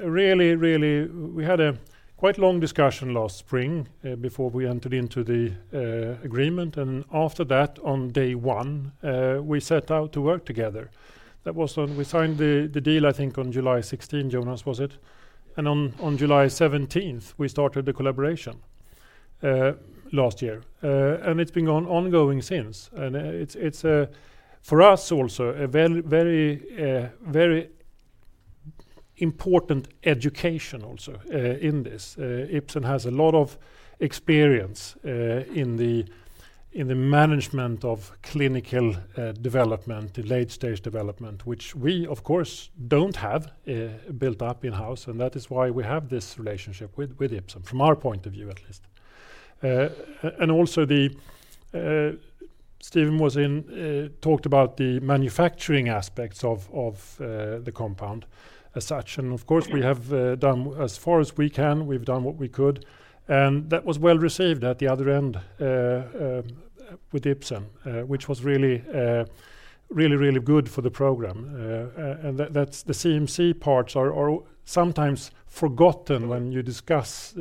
really. We had a quite long discussion last spring before we entered into the agreement. After that, on day one, we set out to work together. That was when we signed the deal, I think on July 16th, Jonas, was it? On July 17th, we started the collaboration last year. It's been ongoing since. It's for us also a very important education in this. Ipsen has a lot of experience in the management of clinical development, the late-stage development, which we of course don't have built up in-house, and that is why we have this relationship with Ipsen, from our point of view at least. And also, Steven talked about the manufacturing aspects of the compound as such. Of course- Mm We have done as far as we can, we've done what we could. That was well-received at the other end with Ipsen, which was really good for the program. And that's the CMC parts are sometimes forgotten.... when you discuss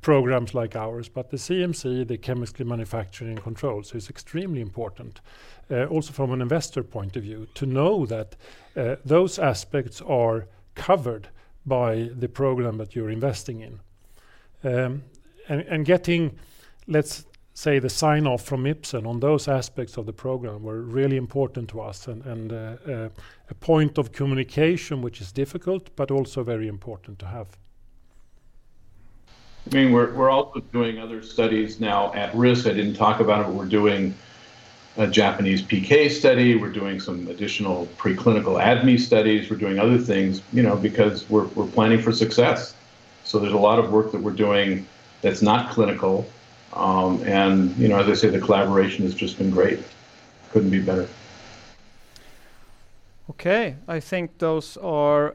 programs like ours. The CMC, the chemistry manufacturing controls, is extremely important also from an investor point of view, to know that those aspects are covered by the program that you're investing in. Getting, let's say, the sign-off from Ipsen on those aspects of the program were really important to us and a point of communication which is difficult but also very important to have. I mean, we're also doing other studies now at risk. I didn't talk about it, but we're doing a Japanese PK study. We're doing some additional preclinical ADME studies. We're doing other things, you know, because we're planning for success. There's a lot of work that we're doing that's not clinical. You know, as I say, the collaboration has just been great. Couldn't be better. Okay. I think those are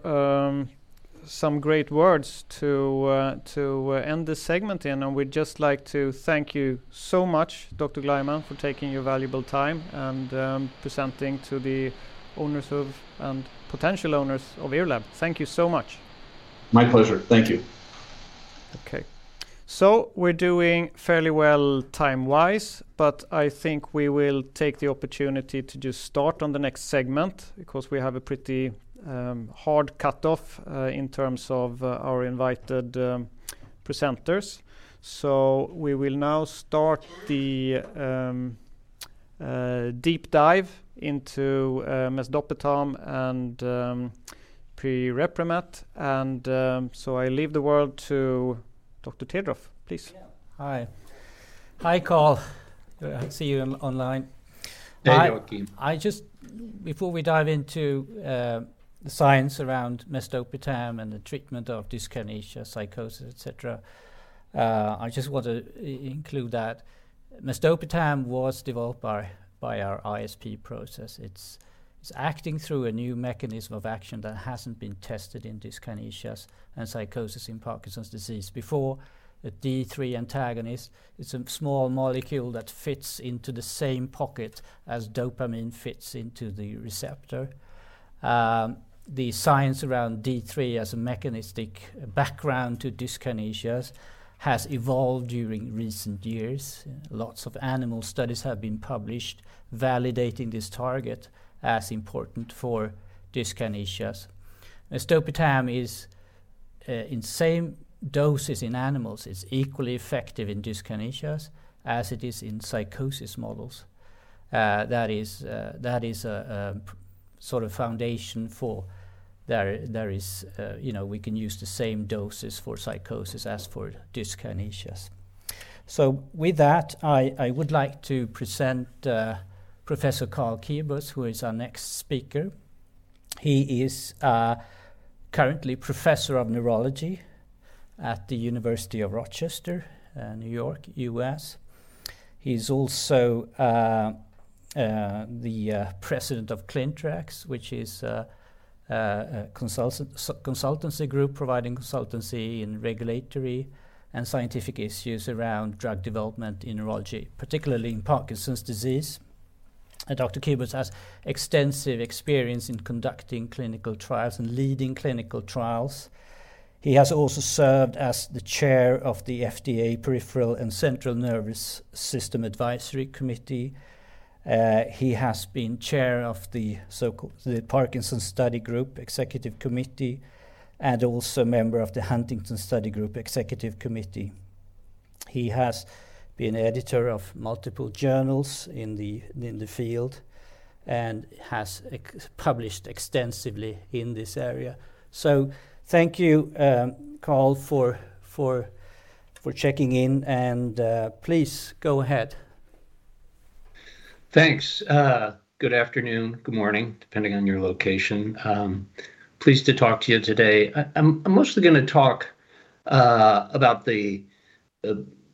some great words to end this segment in, and we'd just like to thank you so much, Dr. Glyman, for taking your valuable time and presenting to the owners of, and potential owners of IRLAB. Thank you so much. My pleasure. Thank you. Okay. We're doing fairly well time-wise, but I think we will take the opportunity to just start on the next segment because we have a pretty hard cutoff in terms of our invited presenters. We will now start the deep dive into Mesdopetam and Pirepemat. I leave the word to Dr. Tedroff, please. Hi. Hi, Karl. I see you online. Hey, Joakim. Before we dive into the science around Mesdopetam and the treatment of dyskinesia, psychosis, et cetera, I just want to include that Mesdopetam was developed by our ISP process. It's acting through a new mechanism of action that hasn't been tested in dyskinesias and psychosis in Parkinson's disease. Before, a D3 antagonist, it's a small molecule that fits into the same pocket as dopamine fits into the receptor. The science around D3 as a mechanistic background to dyskinesias has evolved during recent years. Lots of animal studies have been published validating this target as important for dyskinesias. Mesdopetam is in same doses in animals, it's equally effective in dyskinesias as it is in psychosis models. That is a sort of foundation for. There is, you know, we can use the same doses for psychosis as for dyskinesias. With that, I would like to present Professor Karl Kieburtz, who is our next speaker. He is currently professor of neurology at the University of Rochester, New York, U.S. He is also the president of Clintrex, which is a consultancy group providing consultancy in regulatory and scientific issues around drug development in neurology, particularly in Parkinson's disease. Dr. Kieburtz has extensive experience in conducting clinical trials and leading clinical trials. He has also served as the chair of the Peripheral and Central Nervous System Drugs Advisory Committee. He has been chair of the Parkinson Study Group Executive Committee and also a member of the Huntington Study Group Executive Committee. He has been editor of multiple journals in the field and has published extensively in this area. Thank you, Karl, for checking in and please go ahead. Thanks. Good afternoon, good morning, depending on your location. Pleased to talk to you today. I'm mostly gonna talk about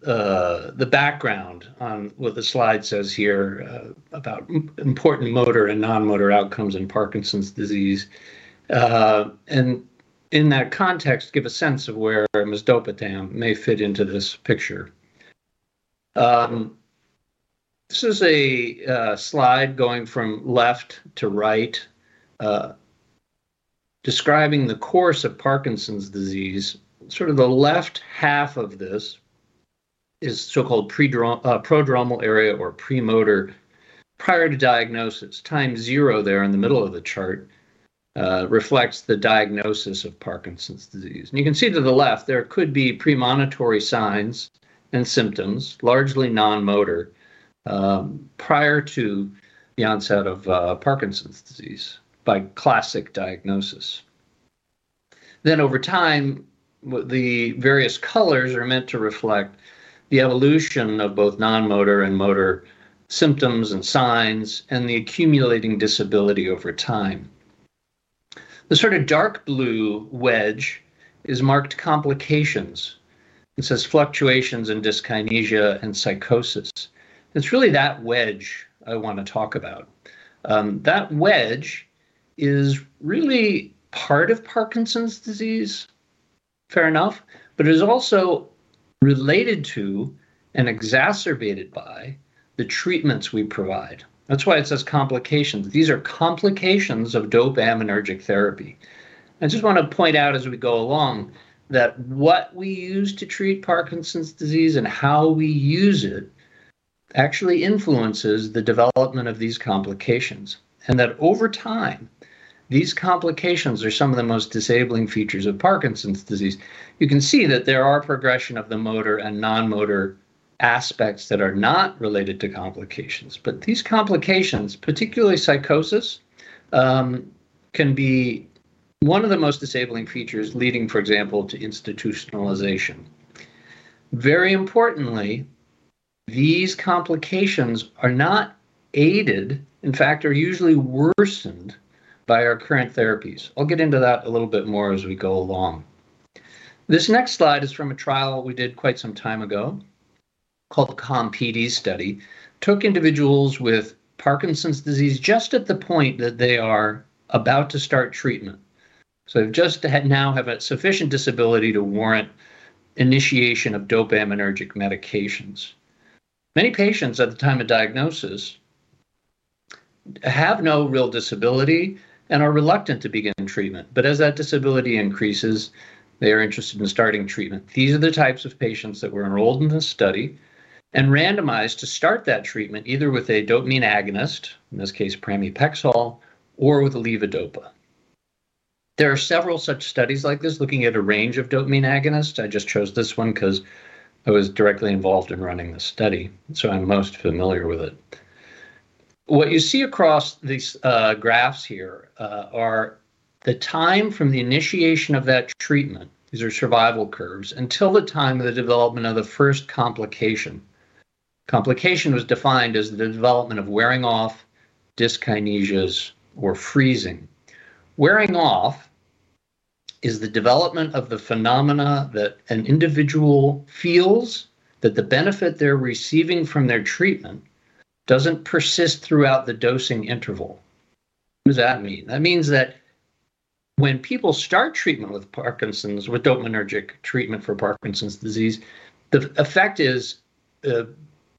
the background on what the slide says here, about important motor and non-motor outcomes in Parkinson's disease, and in that context, give a sense of where Mesdopetam may fit into this picture. This is a slide going from left to right, describing the course of Parkinson's disease. Sort of the left half of this is so-called prodromal area or premotor prior to diagnosis. Time zero there in the middle of the chart reflects the diagnosis of Parkinson's disease. You can see to the left, there could be premonitory signs and symptoms, largely non-motor, prior to the onset of Parkinson's disease by classic diagnosis. Over time, the various colors are meant to reflect the evolution of both non-motor and motor symptoms and signs and the accumulating disability over time. The sort of dark blue wedge is marked complications. It says fluctuations in dyskinesia and psychosis. It's really that wedge I wanna talk about. That wedge is really part of Parkinson's disease, fair enough, but is also related to and exacerbated by the treatments we provide. That's why it says complications. These are complications of dopaminergic therapy. I just wanna point out as we go along that what we use to treat Parkinson's disease and how we use it actually influences the development of these complications, and that over time, these complications are some of the most disabling features of Parkinson's disease. You can see that there are progression of the motor and non-motor aspects that are not related to complications. These complications, particularly psychosis, can be one of the most disabling features leading, for example, to institutionalization. Very importantly, these complications are not aided, in fact, are usually worsened by our current therapies. I'll get into that a little bit more as we go along. This next slide is from a trial we did quite some time ago called the CALM-PD study. Took individuals with Parkinson's disease just at the point that they are about to start treatment, so now have a sufficient disability to warrant initiation of dopaminergic medications. Many patients at the time of diagnosis have no real disability and are reluctant to begin treatment. As that disability increases, they are interested in starting treatment. These are the types of patients that were enrolled in this study and randomized to start that treatment either with a dopamine agonist, in this case pramipexole, or with a levodopa. There are several such studies like this looking at a range of dopamine agonists. I just chose this one 'cause I was directly involved in running the study, so I'm most familiar with it. What you see across these graphs here are the time from the initiation of that treatment, these are survival curves, until the time of the development of the first complication. Complication was defined as the development of wearing off, dyskinesias or freezing. Wearing off is the development of the phenomena that an individual feels that the benefit they're receiving from their treatment doesn't persist throughout the dosing interval. What does that mean? That means that when people start treatment with Parkinson's, with dopaminergic treatment for Parkinson's disease, the effect is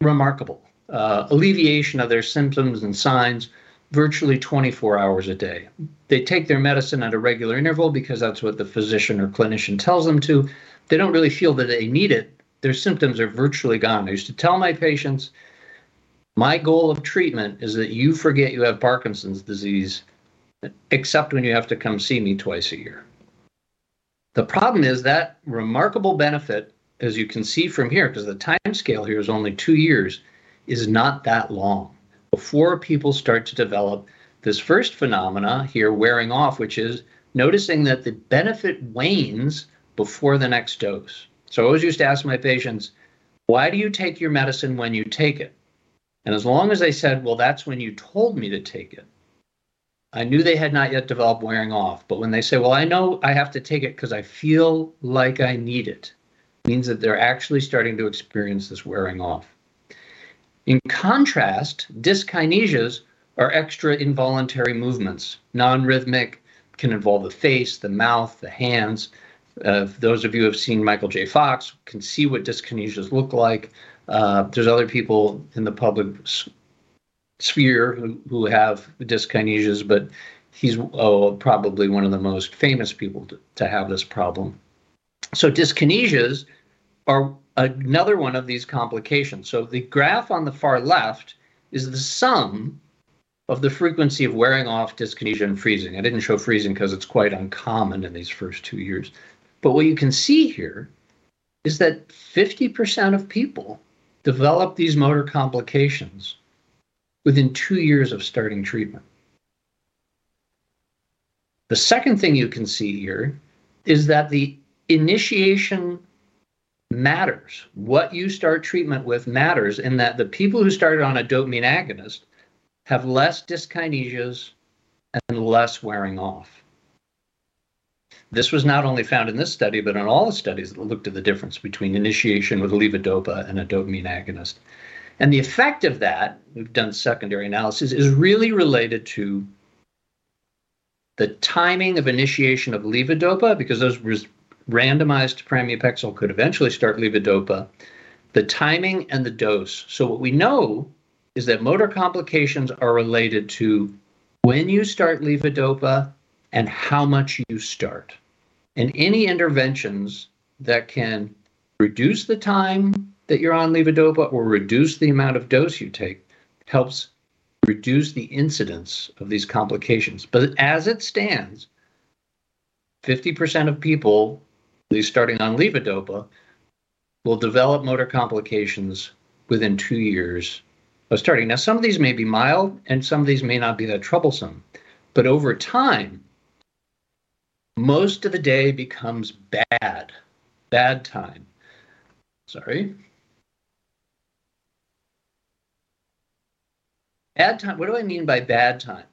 remarkable alleviation of their symptoms and signs virtually 24 hours a day. They take their medicine at a regular interval because that's what the physician or clinician tells them to. They don't really feel that they need it. Their symptoms are virtually gone. I used to tell my patients, "My goal of treatment is that you forget you have Parkinson's disease except when you have to come see me twice a year." The problem is that remarkable benefit, as you can see from here, 'cause the timescale here is only two years, is not that long. Before people start to develop this first phenomena here, wearing off, which is noticing that the benefit wanes before the next dose. I always used to ask my patients, "Why do you take your medicine when you take it?" And as long as they said, "Well, that's when you told me to take it," I knew they had not yet developed wearing off. When they say, "Well, I know I have to take it 'cause I feel like I need it," means that they're actually starting to experience this wearing off. In contrast, dyskinesias are extra involuntary movements, non-rhythmic, that can involve the face, the mouth, the hands. Those of you who have seen Michael J. Fox can see what dyskinesias look like. There's other people in the public sphere who have dyskinesias, but he's probably one of the most famous people to have this problem. Dyskinesias are another one of these complications. The graph on the far left is the sum of the frequency of wearing off dyskinesia and freezing. I didn't show freezing 'cause it's quite uncommon in these first two years. What you can see here is that 50% of people develop these motor complications within two years of starting treatment. The second thing you can see here is that the initiation matters. What you start treatment with matters in that the people who started on a dopamine agonist have less dyskinesias and less wearing off. This was not only found in this study, but in all the studies that looked at the difference between initiation with levodopa and a dopamine agonist. The effect of that, we've done secondary analysis, is really related to the timing of initiation of levodopa because those re-randomized to pramipexole could eventually start levodopa, the timing and the dose. What we know is that motor complications are related to when you start levodopa and how much you start, and any interventions that can reduce the time that you're on levodopa or reduce the amount of dose you take helps reduce the incidence of these complications. As it stands, 50% of people, at least starting on levodopa, will develop motor complications within two years of starting. Now, some of these may be mild and some of these may not be that troublesome, but over time, most of the day becomes bad time. Sorry. What do I mean by bad time?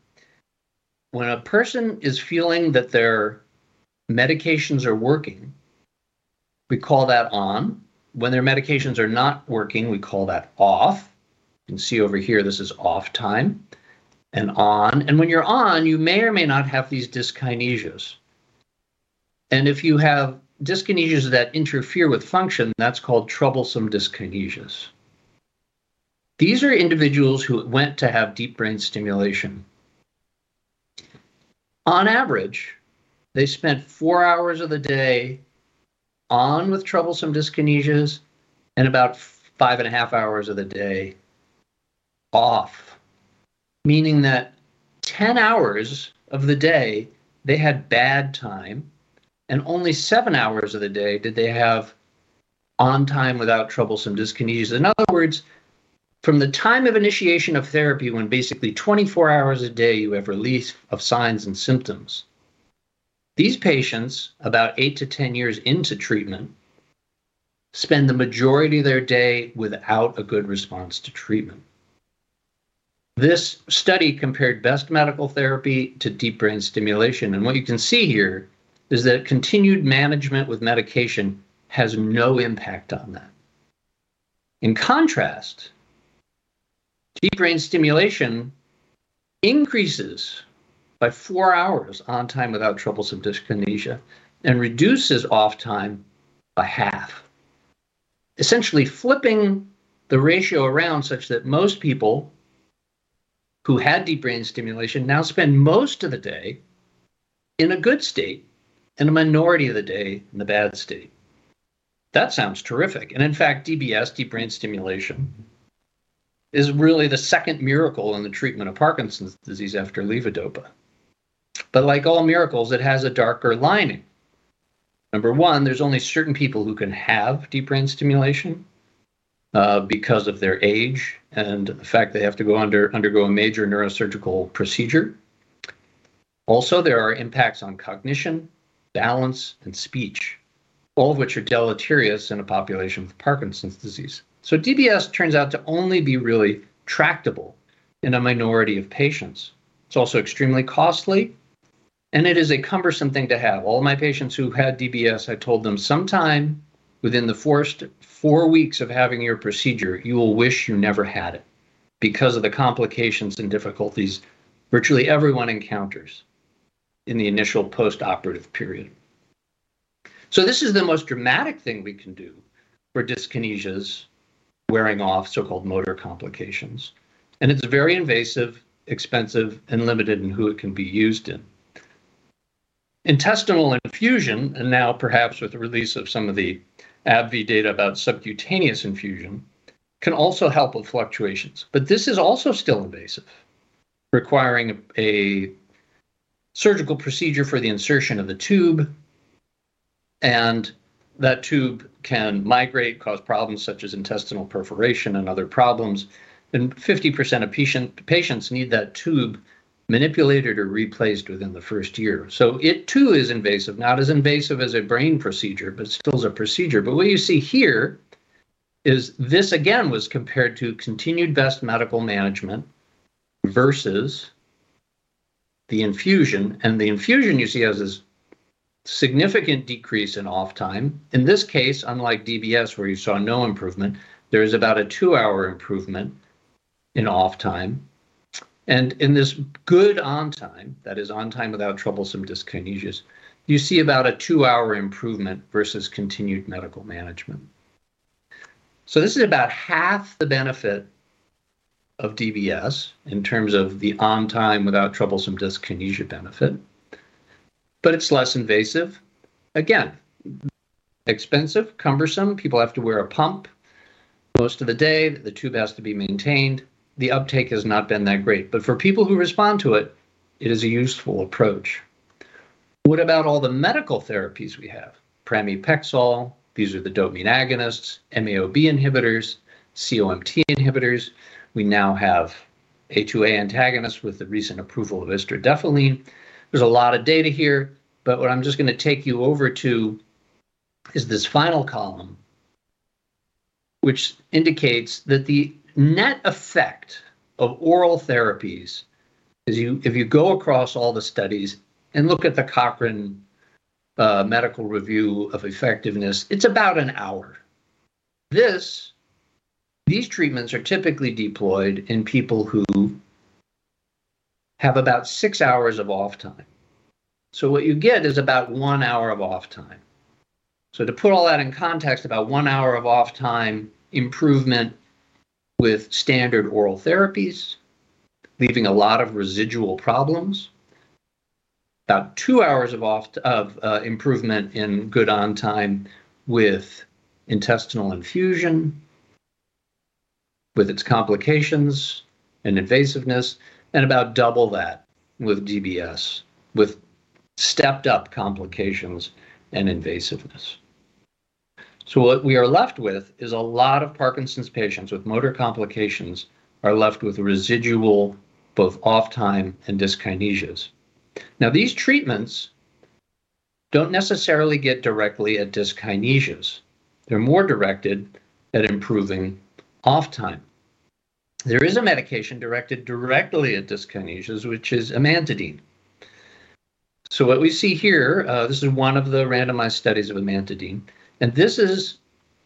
When a person is feeling that their medications are working, we call that on. When their medications are not working, we call that off. You can see over here, this is off time and on. When you're on, you may or may not have these dyskinesias. If you have dyskinesias that interfere with function, that's called troublesome dyskinesias. These are individuals who went to have deep brain stimulation. On average, they spent four hours of the day on with troublesome dyskinesias and about five and a half hours of the day off, meaning that 10 hours of the day they had bad time and only seven hours of the day did they have on time without troublesome dyskinesias. In other words, from the time of initiation of therapy, when basically 24 hours a day you have relief of signs and symptoms, these patients, about eight to 10 years into treatment, spend the majority of their day without a good response to treatment. This study compared best medical therapy to deep brain stimulation, and what you can see here is that continued management with medication has no impact on that. In contrast, deep brain stimulation increases by four hours on time without troublesome dyskinesia and reduces off time by half, essentially flipping the ratio around such that most people who had deep brain stimulation now spend most of the day in a good state and a minority of the day in a bad state. That sounds terrific. In fact, DBS, deep brain stimulation, is really the second miracle in the treatment of Parkinson's disease after levodopa. Like all miracles, it has a darker lining. Number one, there's only certain people who can have deep brain stimulation, because of their age and the fact they have to undergo a major neurosurgical procedure. There are impacts on cognition, balance, and speech, all of which are deleterious in a population with Parkinson's disease. DBS turns out to only be really tractable in a minority of patients. It's also extremely costly, and it is a cumbersome thing to have. All my patients who've had DBS, I told them, "Sometime within the first four weeks of having your procedure, you will wish you never had it because of the complications and difficulties virtually everyone encounters in the initial postoperative period." This is the most dramatic thing we can do for dyskinesias wearing off, so-called motor complications. It's very invasive, expensive, and limited in who it can be used in. Intestinal infusion, now perhaps with the release of some of the AbbVie data about subcutaneous infusion, can also help with fluctuations. This is also still invasive, requiring a surgical procedure for the insertion of the tube, and that tube can migrate, cause problems such as intestinal perforation and other problems. 50% of patients need that tube manipulated or replaced within the first year. It too is invasive. Not as invasive as a brain procedure, but still is a procedure. What you see here is this, again, was compared to continued best medical management versus the infusion. The infusion you see has this significant decrease in off time. In this case, unlike DBS, where you saw no improvement, there is about a two-hour improvement in off time. In this good on time, that is on time without troublesome dyskinesias, you see about a two-hour improvement versus continued medical management. This is about half the benefit of DBS in terms of the on time without troublesome dyskinesia benefit, but it's less invasive. Again, expensive, cumbersome, people have to wear a pump most of the day. The tube has to be maintained. The uptake has not been that great. For people who respond to it is a useful approach. What about all the medical therapies we have? Pramipexole, these are the dopamine agonists, MAO-B inhibitors, COMT inhibitors. We now have A2A antagonists with the recent approval of istradefylline. There's a lot of data here, but what I'm just gonna take you over to is this final column, which indicates that the net effect of oral therapies is, if you go across all the studies and look at the Cochrane medical review of effectiveness, it's about an hour. These treatments are typically deployed in people who have about six hours of off time. What you get is about 1 hour of off time. To put all that in context, about 1 hour of off time improvement with standard oral therapies, leaving a lot of residual problems. About two hours of improvement in good on time with intestinal infusion, with its complications and invasiveness, and about double that with DBS, with stepped-up complications and invasiveness. What we are left with is a lot of Parkinson's patients with motor complications are left with residual both off time and dyskinesias. These treatments don't necessarily get directly at dyskinesias. They're more directed at improving off time. There is a medication directed directly at dyskinesias, which is amantadine. What we see here, this is one of the randomized studies of amantadine, and this is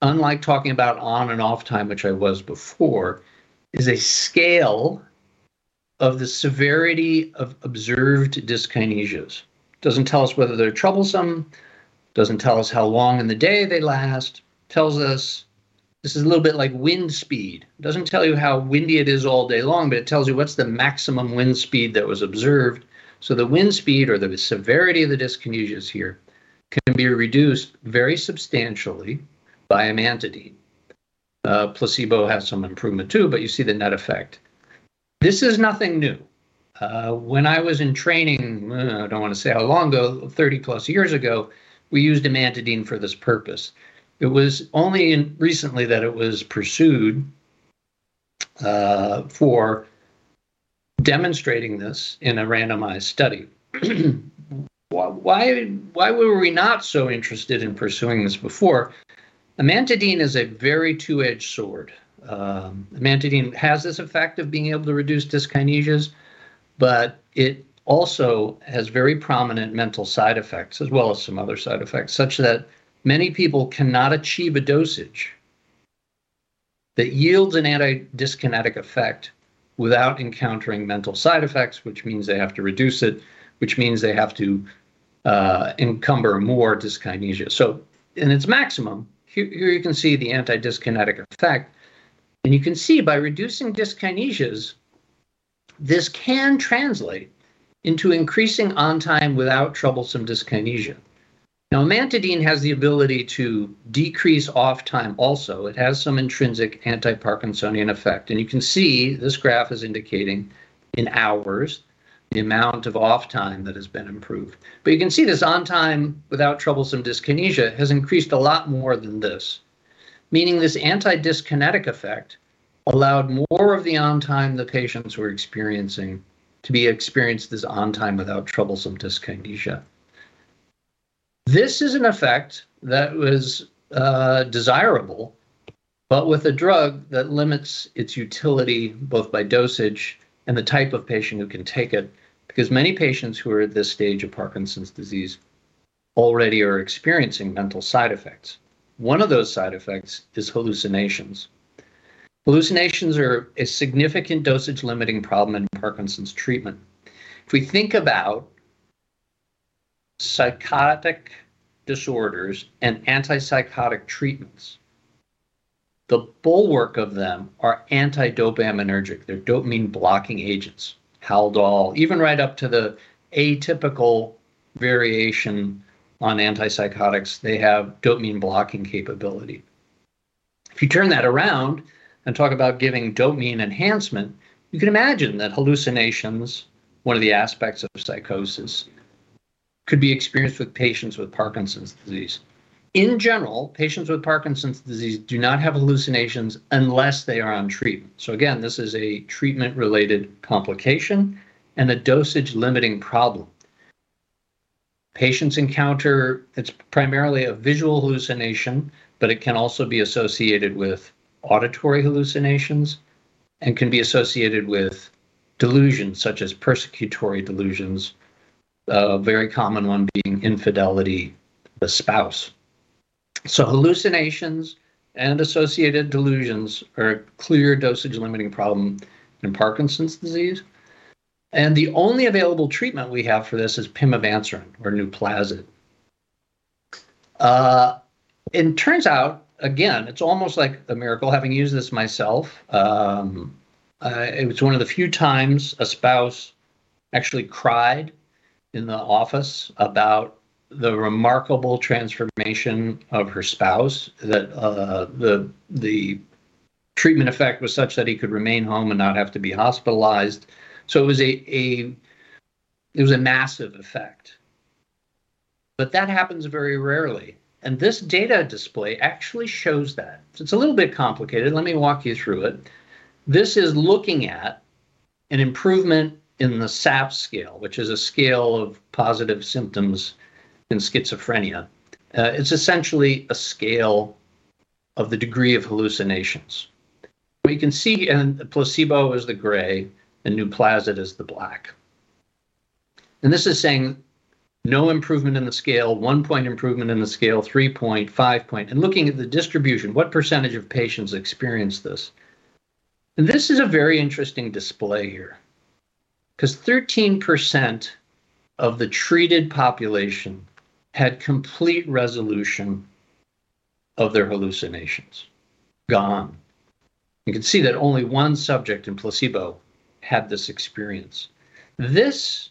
unlike talking about on and off time, which I was before, is a scale of the severity of observed dyskinesias. Doesn't tell us whether they're troublesome, doesn't tell us how long in the day they last. Tells us this is a little bit like wind speed. It doesn't tell you how windy it is all day long, but it tells you what's the maximum wind speed that was observed. The wind speed or the severity of the dyskinesias here can be reduced very substantially by amantadine. Placebo has some improvement too, but you see the net effect. This is nothing new. When I was in training, I don't wanna say how long ago, 30+ years ago, we used amantadine for this purpose. It was only recently that it was pursued for demonstrating this in a randomized study. Why were we not so interested in pursuing this before? Amantadine is a very double-edged sword. Amantadine has this effect of being able to reduce dyskinesias, but it also has very prominent mental side effects as well as some other side effects, such that many people cannot achieve a dosage that yields an anti-dyskinetic effect without encountering mental side effects, which means they have to reduce it, which means they have to endure more dyskinesia. In its maximum, here you can see the anti-dyskinetic effect, and you can see by reducing dyskinesias, this can translate into increasing on time without troublesome dyskinesia. Now, amantadine has the ability to decrease off time also. It has some intrinsic anti-Parkinsonian effect, and you can see this graph is indicating in hours the amount of off time that has been improved. You can see this on time without troublesome dyskinesia has increased a lot more than this, meaning this anti-dyskinetic effect allowed more of the on time the patients were experiencing to be experienced as on time without troublesome dyskinesia. This is an effect that was desirable, but with a drug that limits its utility both by dosage and the type of patient who can take it, because many patients who are at this stage of Parkinson's disease already are experiencing mental side effects. One of those side effects is hallucinations. Hallucinations are a significant dosage-limiting problem in Parkinson's treatment. If we think about psychotic disorders and antipsychotic treatments, the bulwark of them are anti-dopaminergic. They're dopamine blocking agents, Haldol, even right up to the atypical variation on antipsychotics, they have dopamine blocking capability. If you turn that around and talk about giving dopamine enhancement, you can imagine that hallucinations, one of the aspects of psychosis, could be experienced with patients with Parkinson's disease. In general, patients with Parkinson's disease do not have hallucinations unless they are on treatment. This is a treatment-related complication and a dosage-limiting problem. Patients encounter. It's primarily a visual hallucination, but it can also be associated with auditory hallucinations and can be associated with delusions such as persecutory delusions, a very common one being infidelity, the spouse. Hallucinations and associated delusions are a clear dosage-limiting problem in Parkinson's disease, and the only available treatment we have for this is pimavanserin or NUPLAZID. Turns out, again, it's almost like a miracle having used this myself. It was one of the few times a spouse actually cried in the office about the remarkable transformation of her spouse that the treatment effect was such that he could remain home and not have to be hospitalized. It was a massive effect. That happens very rarely, and this data display actually shows that. It's a little bit complicated. Let me walk you through it. This is looking at an improvement in the SAPS scale, which is a scale of positive symptoms in schizophrenia. It's essentially a scale of the degree of hallucinations. We can see, and placebo is the gray and Nuplazid is the black. This is saying no improvement in the scale, one-point improvement in the scale, three-point, five-point, and looking at the distribution, what percentage of patients experience this? This is a very interesting display here because 13% of the treated population had complete resolution of their hallucinations. Gone. You can see that only one subject in placebo had this experience. This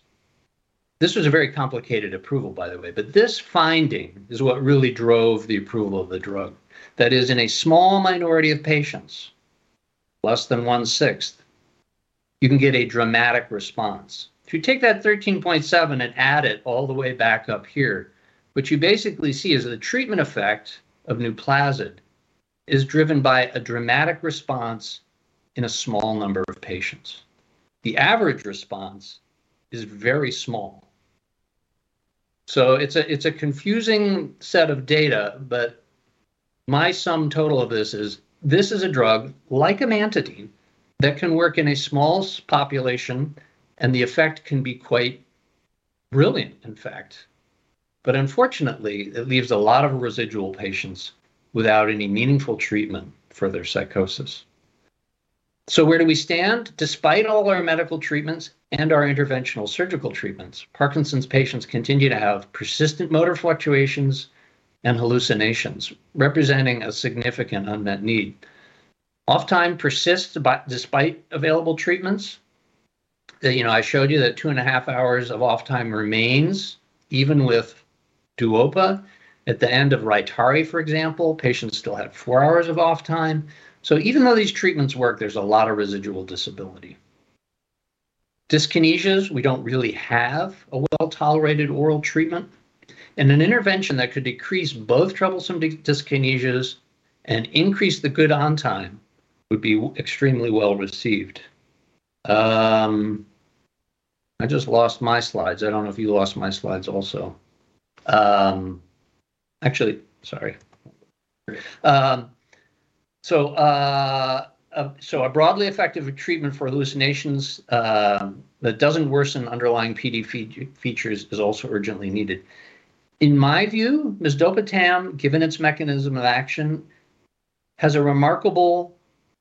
was a very complicated approval by the way, but this finding is what really drove the approval of the drug. That is in a small minority of patients, less than one-sixth, you can get a dramatic response. If you take that 13.7% and add it all the way back up here, what you basically see is the treatment effect of Nuplazid is driven by a dramatic response in a small number of patients. The average response is very small. It's a confusing set of data, but my sum total of this is, this is a drug like amantadine that can work in a small population and the effect can be quite brilliant in fact. Unfortunately, it leaves a lot of residual patients without any meaningful treatment for their psychosis. Where do we stand? Despite all our medical treatments and our interventional surgical treatments, Parkinson's patients continue to have persistent motor fluctuations and hallucinations, representing a significant unmet need. Off time persists but despite available treatments. You know, I showed you that 2.5 hours of off time remains even with Duopa. At the end of Rytary, for example, patients still have four hours of off time. Even though these treatments work, there's a lot of residual disability. Dyskinesias, we don't really have a well-tolerated oral treatment, and an intervention that could decrease both troublesome dyskinesias and increase the good on time would be extremely well-received. I just lost my slides. I don't know if you lost my slides also. Actually, sorry. So a broadly effective treatment for hallucinations that doesn't worsen underlying PD features is also urgently needed. In my view, Mesdopetam, given its mechanism of action, has a remarkable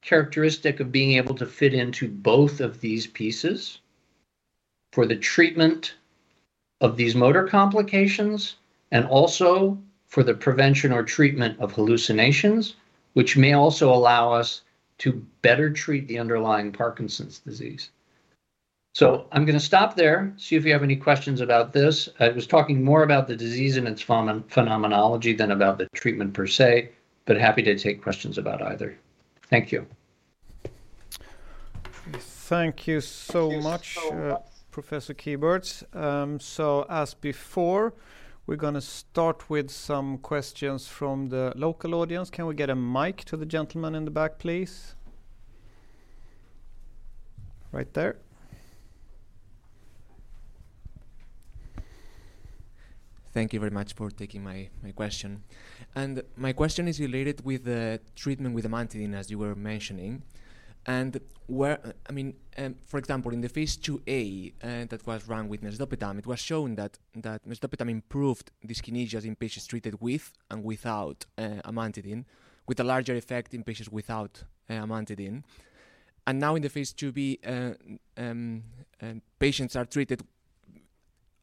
characteristic of being able to fit into both of these pieces for the treatment of these motor complications and also for the prevention or treatment of hallucinations, which may also allow us to better treat the underlying Parkinson's disease. I'm gonna stop there, see if you have any questions about this. I was talking more about the disease and its phenomenology than about the treatment per se, but happy to take questions about either. Thank you. Thank you so much, Professor Kieburtz. As before, we're gonna start with some questions from the local audience. Can we get a mic to the gentleman in the back, please? Right there. Thank you very much for taking my question. My question is related with the treatment with amantadine, as you were mentioning. Where, I mean, for example, in the phase IIa that was run with mesdopetam, it was shown that mesdopetam improved dyskinesias in patients treated with and without amantadine, with a larger effect in patients without amantadine. Now in the phase IIb,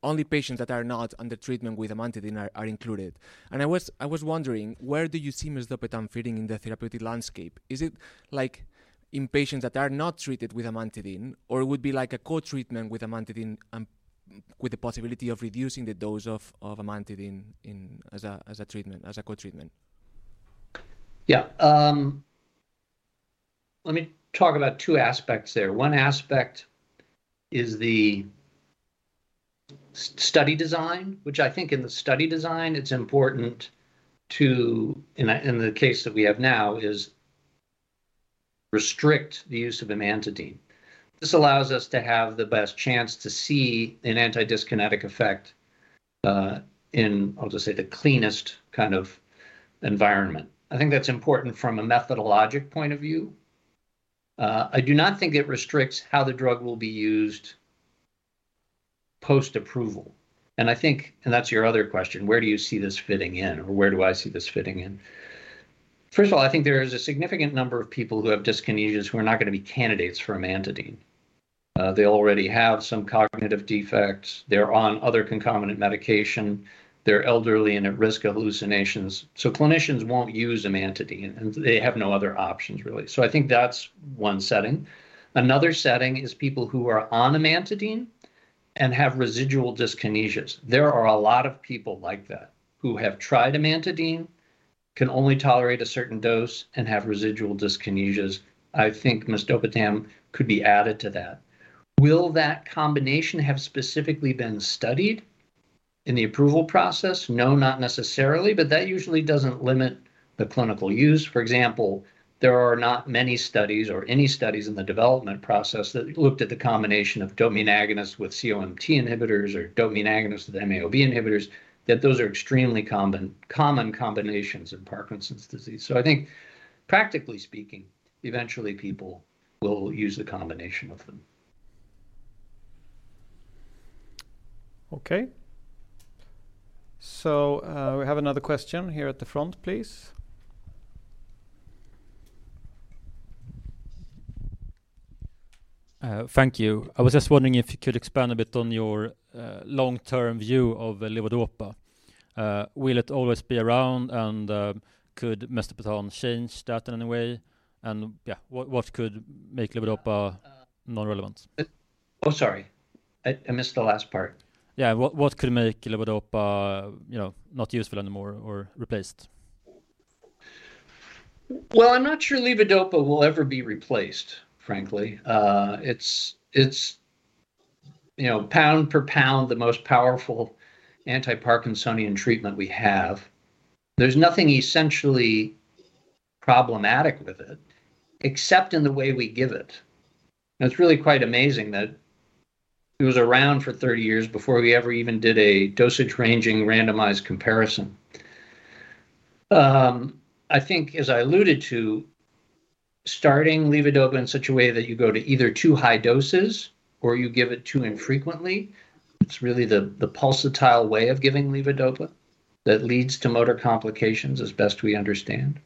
only patients that are not under treatment with amantadine are included. I was wondering, where do you see mesdopetam fitting in the therapeutic landscape? Is it, like, in patients that are not treated with amantadine, or it would be like a co-treatment with amantadine and with the possibility of reducing the dose of amantadine in as a treatment, as a co-treatment? Yeah. Let me talk about two aspects there. One aspect is the study design, which I think, in the study design, it's important to, in the case that we have now, is restrict the use of amantadine. This allows us to have the best chance to see an antidyskinetic effect, in, I'll just say, the cleanest kind of environment. I think that's important from a methodological point of view. I do not think it restricts how the drug will be used post-approval. I think that's your other question, where do you see this fitting in, or where do I see this fitting in? First of all, I think there is a significant number of people who have dyskinesias who are not gonna be candidates for amantadine. They already have some cognitive defects, they're on other concomitant medication, they're elderly and at risk of hallucinations. Clinicians won't use amantadine, and they have no other options, really. I think that's one setting. Another setting is people who are on amantadine and have residual dyskinesias. There are a lot of people like that, who have tried amantadine, can only tolerate a certain dose, and have residual dyskinesias. I think Mesdopetam could be added to that. Will that combination have specifically been studied in the approval process? No, not necessarily, but that usually doesn't limit the clinical use. For example, there are not many studies or any studies in the development process that looked at the combination of dopamine agonists with COMT inhibitors or dopamine agonists with MAO-B inhibitors, that those are extremely common combinations in Parkinson's disease. I think, practically speaking, eventually people will use a combination of them. Okay. We have another question here at the front, please. Thank you. I was just wondering if you could expand a bit on your long-term view of levodopa. Will it always be around, and could Mesdopetam change that in any way? Yeah, what could make levodopa non-relevant? Oh, sorry. I missed the last part. Yeah. What could make levodopa, you know, not useful anymore or replaced? Well, I'm not sure levodopa will ever be replaced, frankly. It's, it's you know, pound for pound the most powerful antiparkinsonian treatment we have. There's nothing essentially problematic with it, except in the way we give it. It's really quite amazing that it was around for 30 years before we ever even did a dosage-ranging randomized comparison. I think, as I alluded to, starting levodopa in such a way that you go to either too high doses or you give it too infrequently, it's really the pulsatile way of giving levodopa that leads to motor complications as best we understand.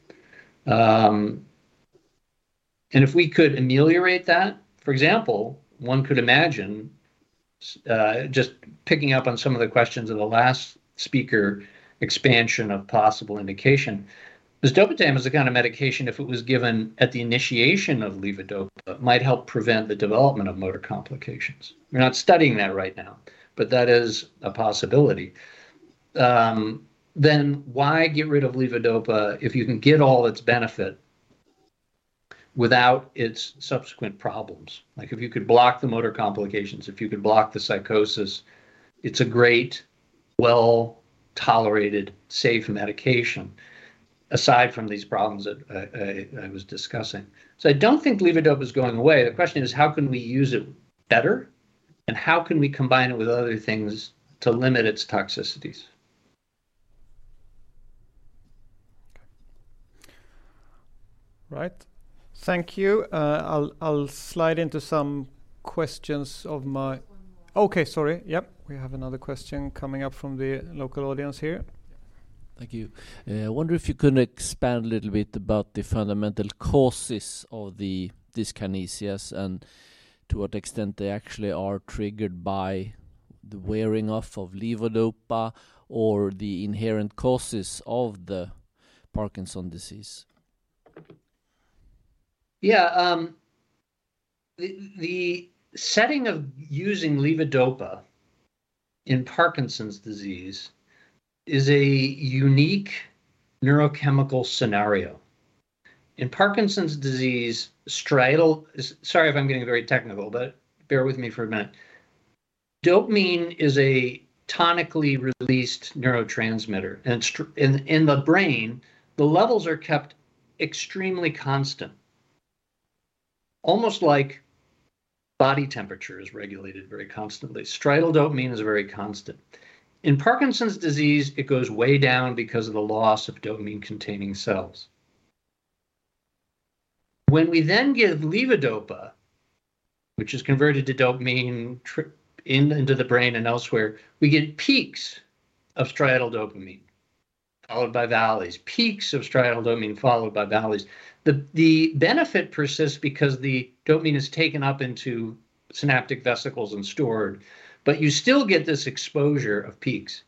And if we could ameliorate that, for example, one could imagine. Just picking up on some of the questions of the last speaker, expansion of possible indication. Mesdopetam is the kind of medication if it was given at the initiation of levodopa might help prevent the development of motor complications. We're not studying that right now, but that is a possibility. Then why get rid of levodopa if you can get all its benefit without its subsequent problems? Like, if you could block the motor complications, if you could block the psychosis, it's a great, well-tolerated, safe medication aside from these problems that I was discussing. I don't think levodopa is going away. The question is how can we use it better, and how can we combine it with other things to limit its toxicities? Okay. Right. Thank you. I'll slide into some questions of my- Just one more. Okay. Sorry. Yep. We have another question coming up from the local audience here. Thank you. I wonder if you can expand a little bit about the fundamental causes of the dyskinesias, and to what extent they actually are triggered by the wearing off of levodopa or the inherent causes of the Parkinson's disease? The setting of using levodopa in Parkinson's disease is a unique neurochemical scenario. In Parkinson's disease, striatal—sorry if I'm getting very technical, but bear with me for a minute. Dopamine is a tonically released neurotransmitter, and in the brain, the levels are kept extremely constant, almost like body temperature is regulated very constantly. Striatal dopamine is very constant. In Parkinson's disease, it goes way down because of the loss of dopamine-containing cells. When we then give levodopa, which is converted to dopamine in the brain and elsewhere, we get peaks of striatal dopamine, followed by valleys, peaks of striatal dopamine, followed by valleys. The benefit persists because the dopamine is taken up into synaptic vesicles and stored, but you still get this exposure of peaks.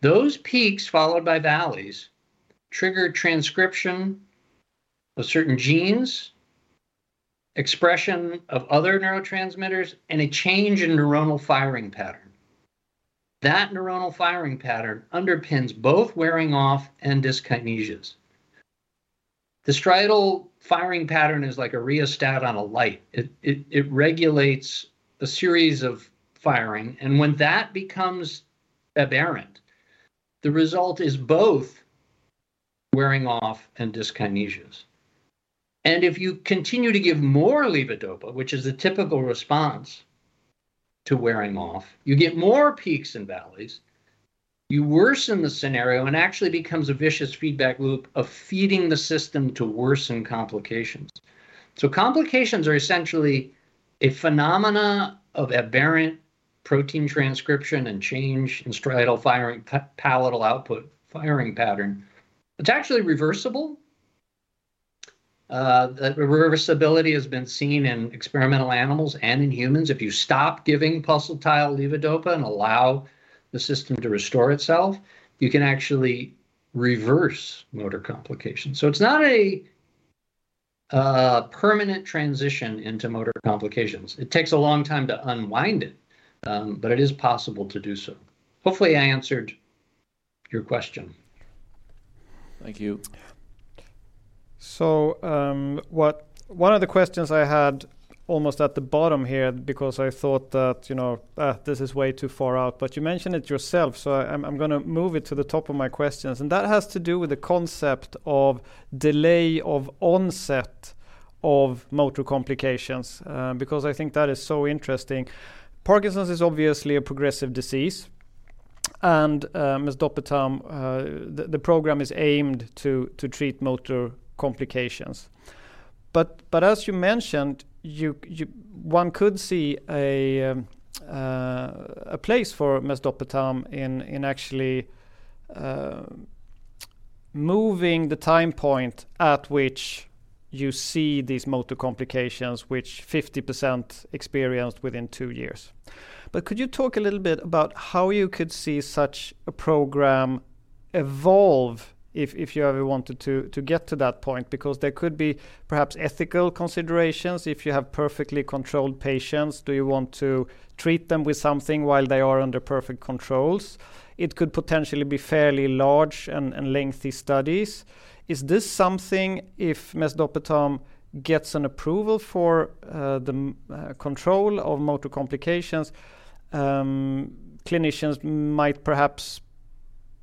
Those peaks followed by valleys trigger transcription of certain genes, expression of other neurotransmitters, and a change in neuronal firing pattern. That neuronal firing pattern underpins both wearing off and dyskinesias. The striatal firing pattern is like a rheostat on a light. It regulates a series of firing, and when that becomes aberrant, the result is both wearing off and dyskinesias. If you continue to give more levodopa, which is the typical response to wearing off, you get more peaks and valleys. You worsen the scenario, and it actually becomes a vicious feedback loop of feeding the system to worsen complications. Complications are essentially a phenomenon of aberrant protein transcription and change in striatal firing pallidal output firing pattern. It's actually reversible. The reversibility has been seen in experimental animals and in humans. If you stop giving pulsatile levodopa and allow the system to restore itself, you can actually reverse motor complications. It's not a permanent transition into motor complications. It takes a long time to unwind it, but it is possible to do so. Hopefully, I answered your question. Thank you. One of the questions I had almost at the bottom here because I thought that, you know, this is way too far out, but you mentioned it yourself, so I'm gonna move it to the top of my questions, and that has to do with the concept of delay of onset of motor complications, because I think that is so interesting. Parkinson's is obviously a progressive disease, and Mesdopetam, the program is aimed to treat motor complications. As you mentioned, one could see a place for Mesdopetam in actually moving the time point at which you see these motor complications, which 50% experienced within two years. Could you talk a little bit about how you could see such a program evolve if you ever wanted to get to that point? Because there could be perhaps ethical considerations. If you have perfectly controlled patients, do you want to treat them with something while they are under perfect controls? It could potentially be fairly large and lengthy studies. Is this something if Mesdopetam gets an approval for the control of motor complications, clinicians might perhaps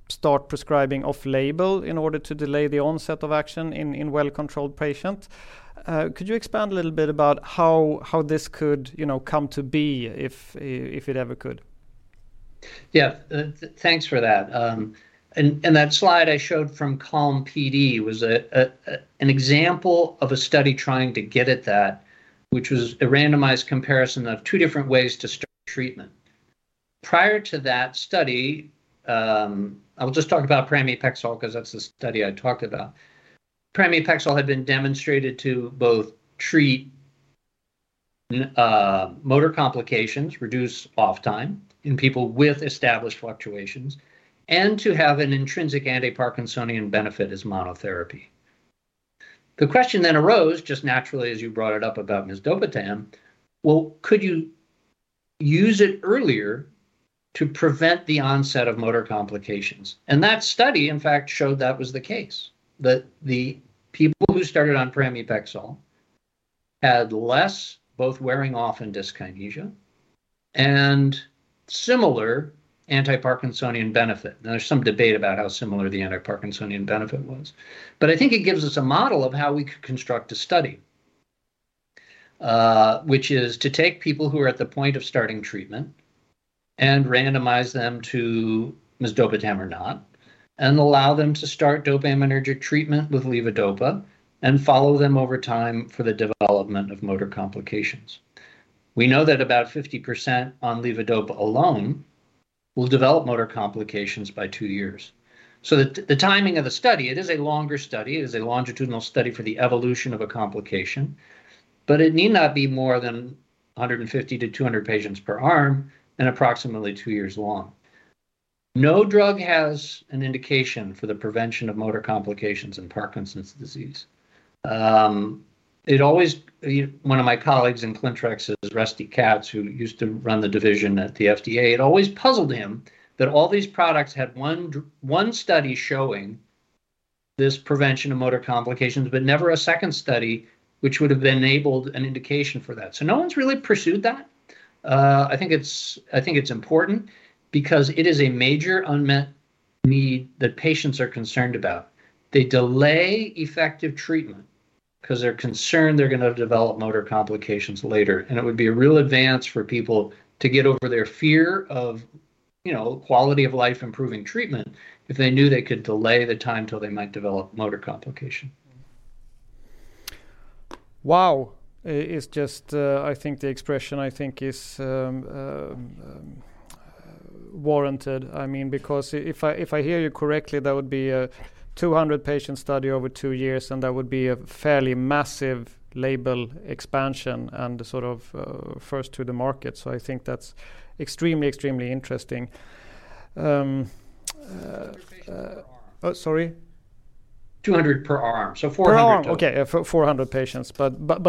start prescribing off-label in order to delay the onset of action in well-controlled patient? Could you expand a little bit about how this could, you know, come to be if it ever could? Yeah. Thanks for that. In that slide I showed from CALM-PD was an example of a study trying to get at that, which was a randomized comparison of two different ways to start treatment. Prior to that study, I'll just talk about pramipexole 'cause that's the study I talked about. Pramipexole had been demonstrated to both treat motor complications, reduce off time in people with established fluctuations, and to have an intrinsic antiparkinsonian benefit as monotherapy. The question then arose just naturally as you brought it up about mesdopetam, could you use it earlier to prevent the onset of motor complications? That study, in fact, showed that was the case, that the people who started on pramipexole had less both wearing off and dyskinesia and similar antiparkinsonian benefit. Now, there's some debate about how similar the antiparkinsonian benefit was, but I think it gives us a model of how we could construct a study, which is to take people who are at the point of starting treatment and randomize them to Mesdopetam or not and allow them to start dopaminergic treatment with levodopa and follow them over time for the development of motor complications. We know that about 50% on levodopa alone will develop motor complications by two years. The timing of the study, it is a longer study. It is a longitudinal study for the evolution of a complication, but it need not be more than 150-200 patients per arm and approximately two years long. No drug has an indication for the prevention of motor complications in Parkinson's disease. It always... One of my colleagues in Clintrex is Rusty Katz, who used to run the division at the FDA. It always puzzled him that all these products had one study showing this prevention of motor complications, but never a second study which would have enabled an indication for that. No one's really pursued that. I think it's important because it is a major unmet need that patients are concerned about. They delay effective treatment 'cause they're concerned they're gonna develop motor complications later, and it would be a real advance for people to get over their fear of, you know, quality of life-improving treatment if they knew they could delay the time till they might develop motor complication. Wow. It's just, I think the expression is warranted. I mean, because if I hear you correctly, that would be a 200-patient study over two years, and that would be a fairly massive label expansion and sort of first to the market. I think that's extremely interesting. 200 patients per arm. Oh, sorry. 200 per arm, so 400 total. Per arm. Okay. 400 patients.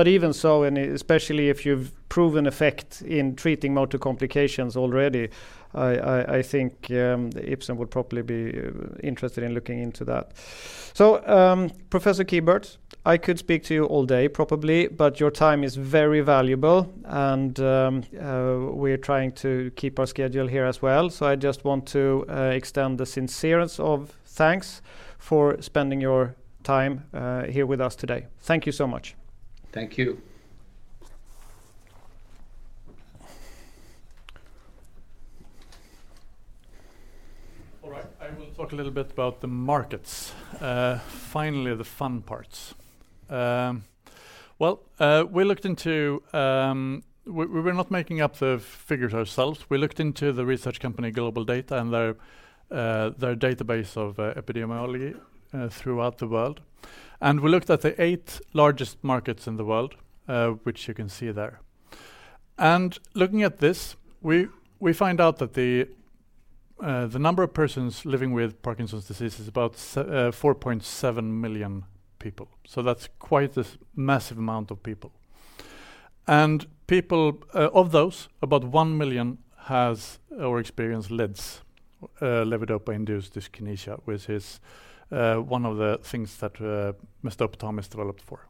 Even so, especially if you've proven effect in treating motor complications already, I think Ipsen would probably be interested in looking into that. Professor Kieburtz, I could speak to you all day probably, but your time is very valuable and we're trying to keep our schedule here as well. I just want to extend the sincerest of thanks for spending your time here with us today. Thank you so much. Thank you. All right. I will talk a little bit about the markets. Finally, the fun parts. Well, we looked into. We're not making up the figures ourselves. We looked into the research company GlobalData and their database of epidemiology throughout the world, and we looked at the eight largest markets in the world, which you can see there. Looking at this, we find out that the number of persons living with Parkinson's disease is about 4.7 million people, so that's quite a massive amount of people. Of those, about 1 million has or experience LIDs, levodopa-induced dyskinesia, which is one of the things that mesdopetam is developed for.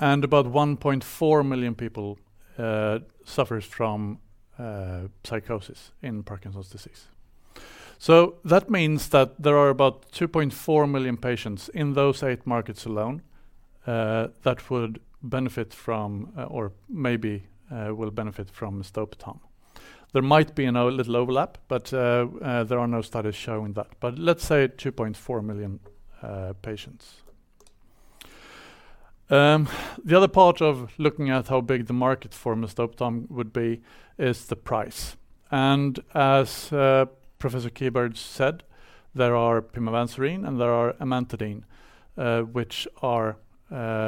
About 1.4 million people suffers from psychosis in Parkinson's disease. That means that there are about 2.4 million patients in those eight markets alone that would benefit from or maybe will benefit from Mesdopetam. There might be, you know, a little overlap, but there are no studies showing that. Let's say 2.4 million patients. The other part of looking at how big the market for Mesdopetam would be is the price. As Professor Kieburtz said, there are pimavanserin and there are amantadine, which are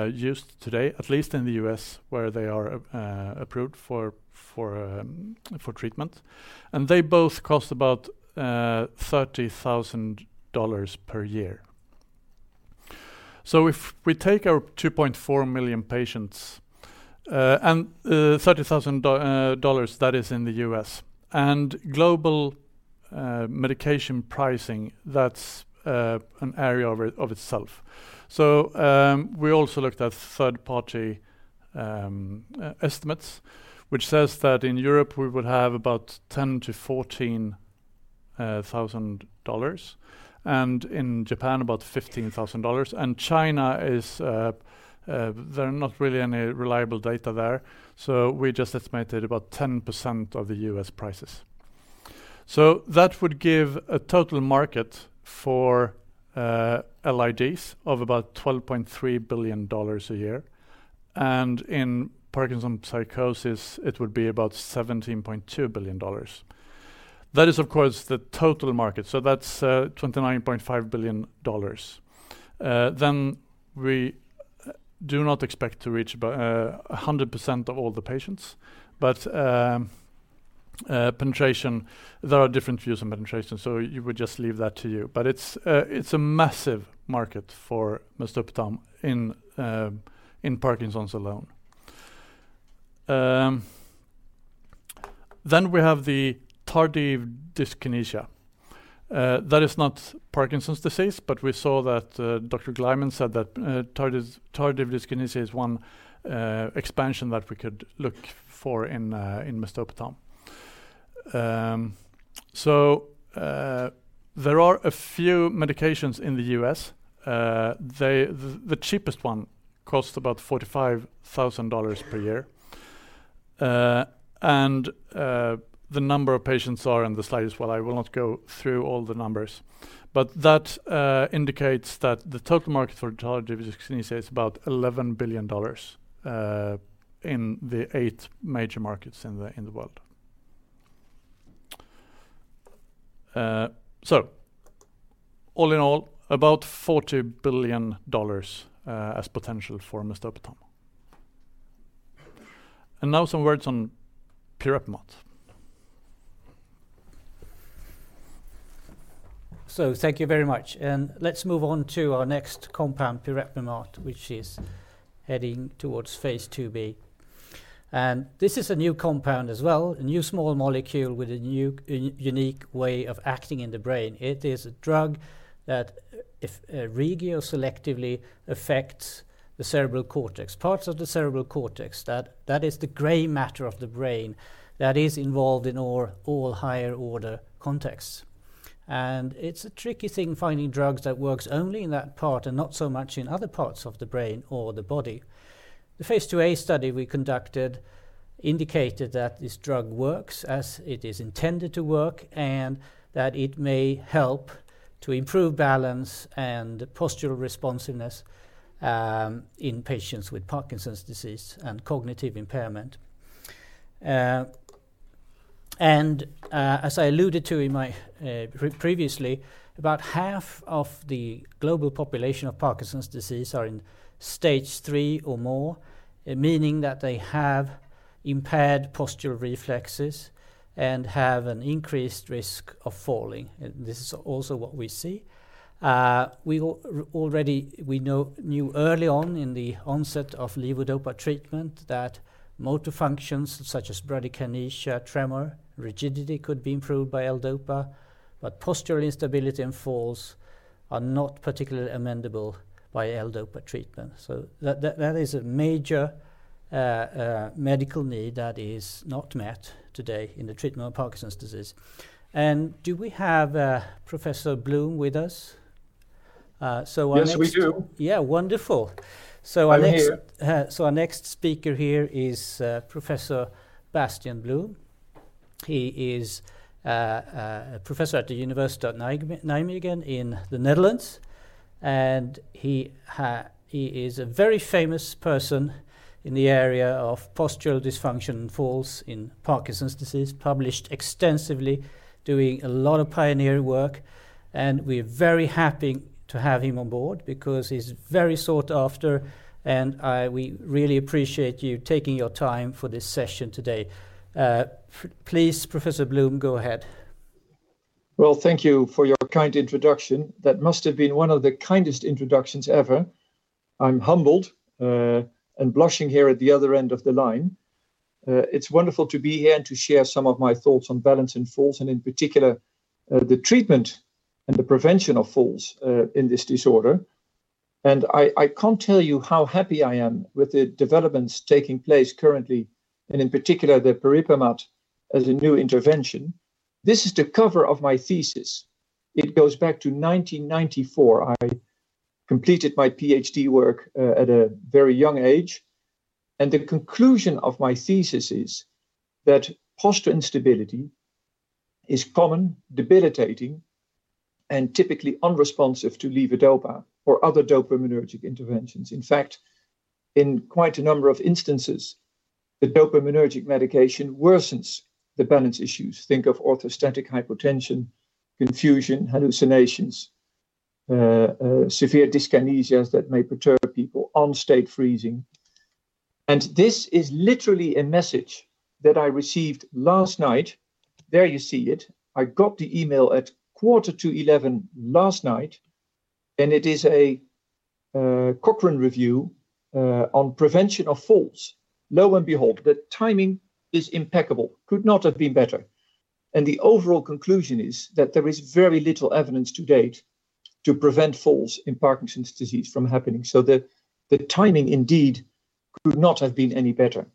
used today, at least in the U.S., where they are approved for treatment, and they both cost about $30,000 per year. If we take our 2.4 million patients, and $30,000, that is in the US, and global medication pricing, that's an area of it, of itself. We also looked at third-party estimates, which says that in Europe, we would have about $10,000-$14,000, and in Japan about $15,000, and in China there are not really any reliable data there, so we just estimated about 10% of the US prices. That would give a total market for LIDs of about $12.3 billion a year. In Parkinson's psychosis, it would be about $17.2 billion. That is, of course, the total market. That's $29.5 billion. We do not expect to reach about 100% of all the patients. Penetration, there are different views on penetration, so you would just leave that to you. It's a massive market for Mesdopetam in Parkinson's alone. We have the tardive dyskinesia. That is not Parkinson's disease, but we saw that Dr. Glyman said that tardive dyskinesia is one expansion that we could look for in Mesdopetam. There are a few medications in the U.S. The cheapest one costs about $45,000 per year. The number of patients are on the slide as well. I will not go through all the numbers. That indicates that the total market for tardive dyskinesia is about $11 billion in the eight major markets in the world. All in all, about $40 billion as potential for Mesdopetam. Now some words on Pirepemat. Thank you very much. Let's move on to our next compound, Pirepemat, which is heading towards phase II-B. This is a new compound as well, a new small molecule with a new unique way of acting in the brain. It is a drug that regionally selectively affects the cerebral cortex, parts of the cerebral cortex, that is the gray matter of the brain that is involved in all higher order contexts. It's a tricky thing finding drugs that works only in that part and not so much in other parts of the brain or the body. The phase II-A study we conducted indicated that this drug works as it is intended to work, and that it may help to improve balance and postural responsiveness in patients with Parkinson's disease and cognitive impairment. as I alluded to in my previously, about half of the global population of Parkinson's disease are in stage three or more, meaning that they have impaired postural reflexes and have an increased risk of falling. This is also what we see. We already knew early on in the onset of levodopa treatment that motor functions such as bradykinesia, tremor, rigidity could be improved by L-dopa, but postural instability and falls are not particularly amenable by L-dopa treatment. That is a major medical need that is not met today in the treatment of Parkinson's disease. Do we have Professor Bloem with us? So our next- Yes, we do. Yeah. Wonderful. I'm here. Our next speaker here is Professor Bastiaan Bloem. He is a professor at the Radboud University Medical Centre in the Netherlands. He is a very famous person in the area of postural dysfunction and falls in Parkinson's disease, published extensively, doing a lot of pioneering work, and we're very happy to have him on board because he's very sought after, and we really appreciate you taking your time for this session today. Please, Professor Bloem, go ahead. Well, thank you for your kind introduction. That must have been one of the kindest introductions ever. I'm humbled and blushing here at the other end of the line. It's wonderful to be here and to share some of my thoughts on balance and falls, and in particular, the treatment and the prevention of falls in this disorder. I can't tell you how happy I am with the developments taking place currently, and in particular, the Pirepemat as a new intervention. This is the cover of my thesis. It goes back to 1994. I completed my PhD work at a very young age. The conclusion of my thesis is that postural instability is common, debilitating, and typically unresponsive to levodopa or other dopaminergic interventions. In fact, in quite a number of instances, the dopaminergic medication worsens the balance issues. Think of orthostatic hypotension, confusion, hallucinations, severe dyskinesias that may perturb people, onstage freezing. This is literally a message that I received last night. There you see it. I got the email at 10:45 P.M. last night, and it is a Cochrane review on prevention of falls. Lo and behold, the timing is impeccable. Could not have been better. The overall conclusion is that there is very little evidence to date to prevent falls in Parkinson's disease from happening. The timing indeed could not have been any better.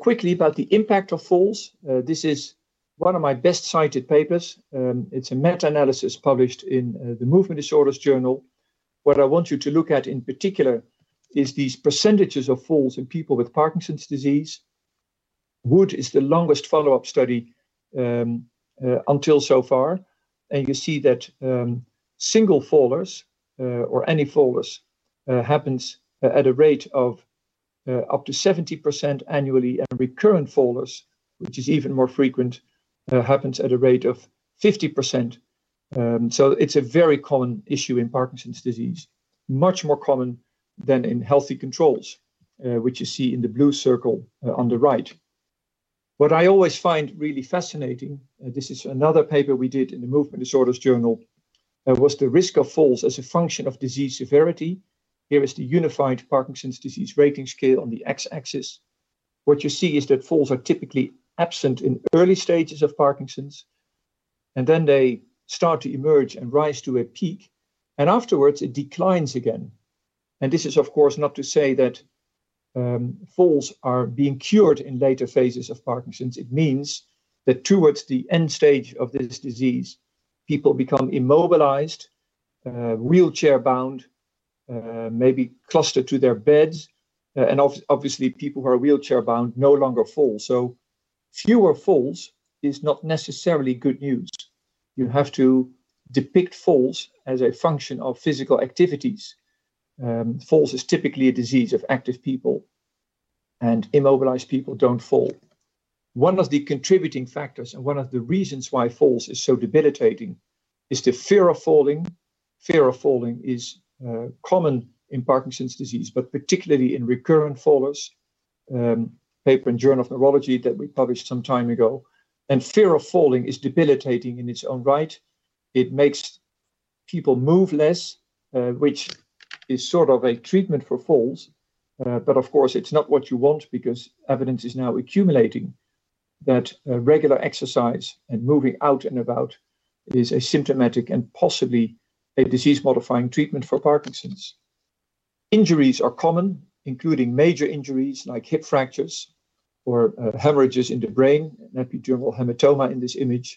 Quickly about the impact of falls. This is one of my best cited papers. It's a meta-analysis published in the Movement Disorders journal. What I want you to look at in particular is these percentages of falls in people with Parkinson's disease. Wood is the longest follow-up study until so far, and you see that single fallers or any fallers happens at a rate of up to 70% annually. Recurrent fallers, which is even more frequent, happens at a rate of 50%. It's a very common issue in Parkinson's disease, much more common than in healthy controls, which you see in the blue circle on the right. What I always find really fascinating, this is another paper we did in the Movement Disorders journal, was the risk of falls as a function of disease severity. Here is the Unified Parkinson's Disease Rating Scale on the x-axis. What you see is that falls are typically absent in early stages of Parkinson's, and then they start to emerge and rise to a peak, and afterwards it declines again. This is, of course, not to say that falls are being cured in later phases of Parkinson's disease. It means that towards the end stage of this disease, people become immobilized, wheelchair-bound, maybe clustered to their beds. Obviously people who are wheelchair-bound no longer fall. Fewer falls is not necessarily good news. You have to depict falls as a function of physical activities. Falls is typically a disease of active people, and immobilized people don't fall. One of the contributing factors and one of the reasons why falls is so debilitating is the fear of falling. Fear of falling is common in Parkinson's disease, but particularly in recurrent fallers, paper in Journal of Neurology that we published some time ago. Fear of falling is debilitating in its own right. It makes people move less, which is sort of a treatment for falls. Of course it's not what you want because evidence is now accumulating that regular exercise and moving out and about is a symptomatic and possibly a disease-modifying treatment for Parkinson's. Injuries are common, including major injuries like hip fractures or hemorrhages in the brain, epidural hematoma in this image.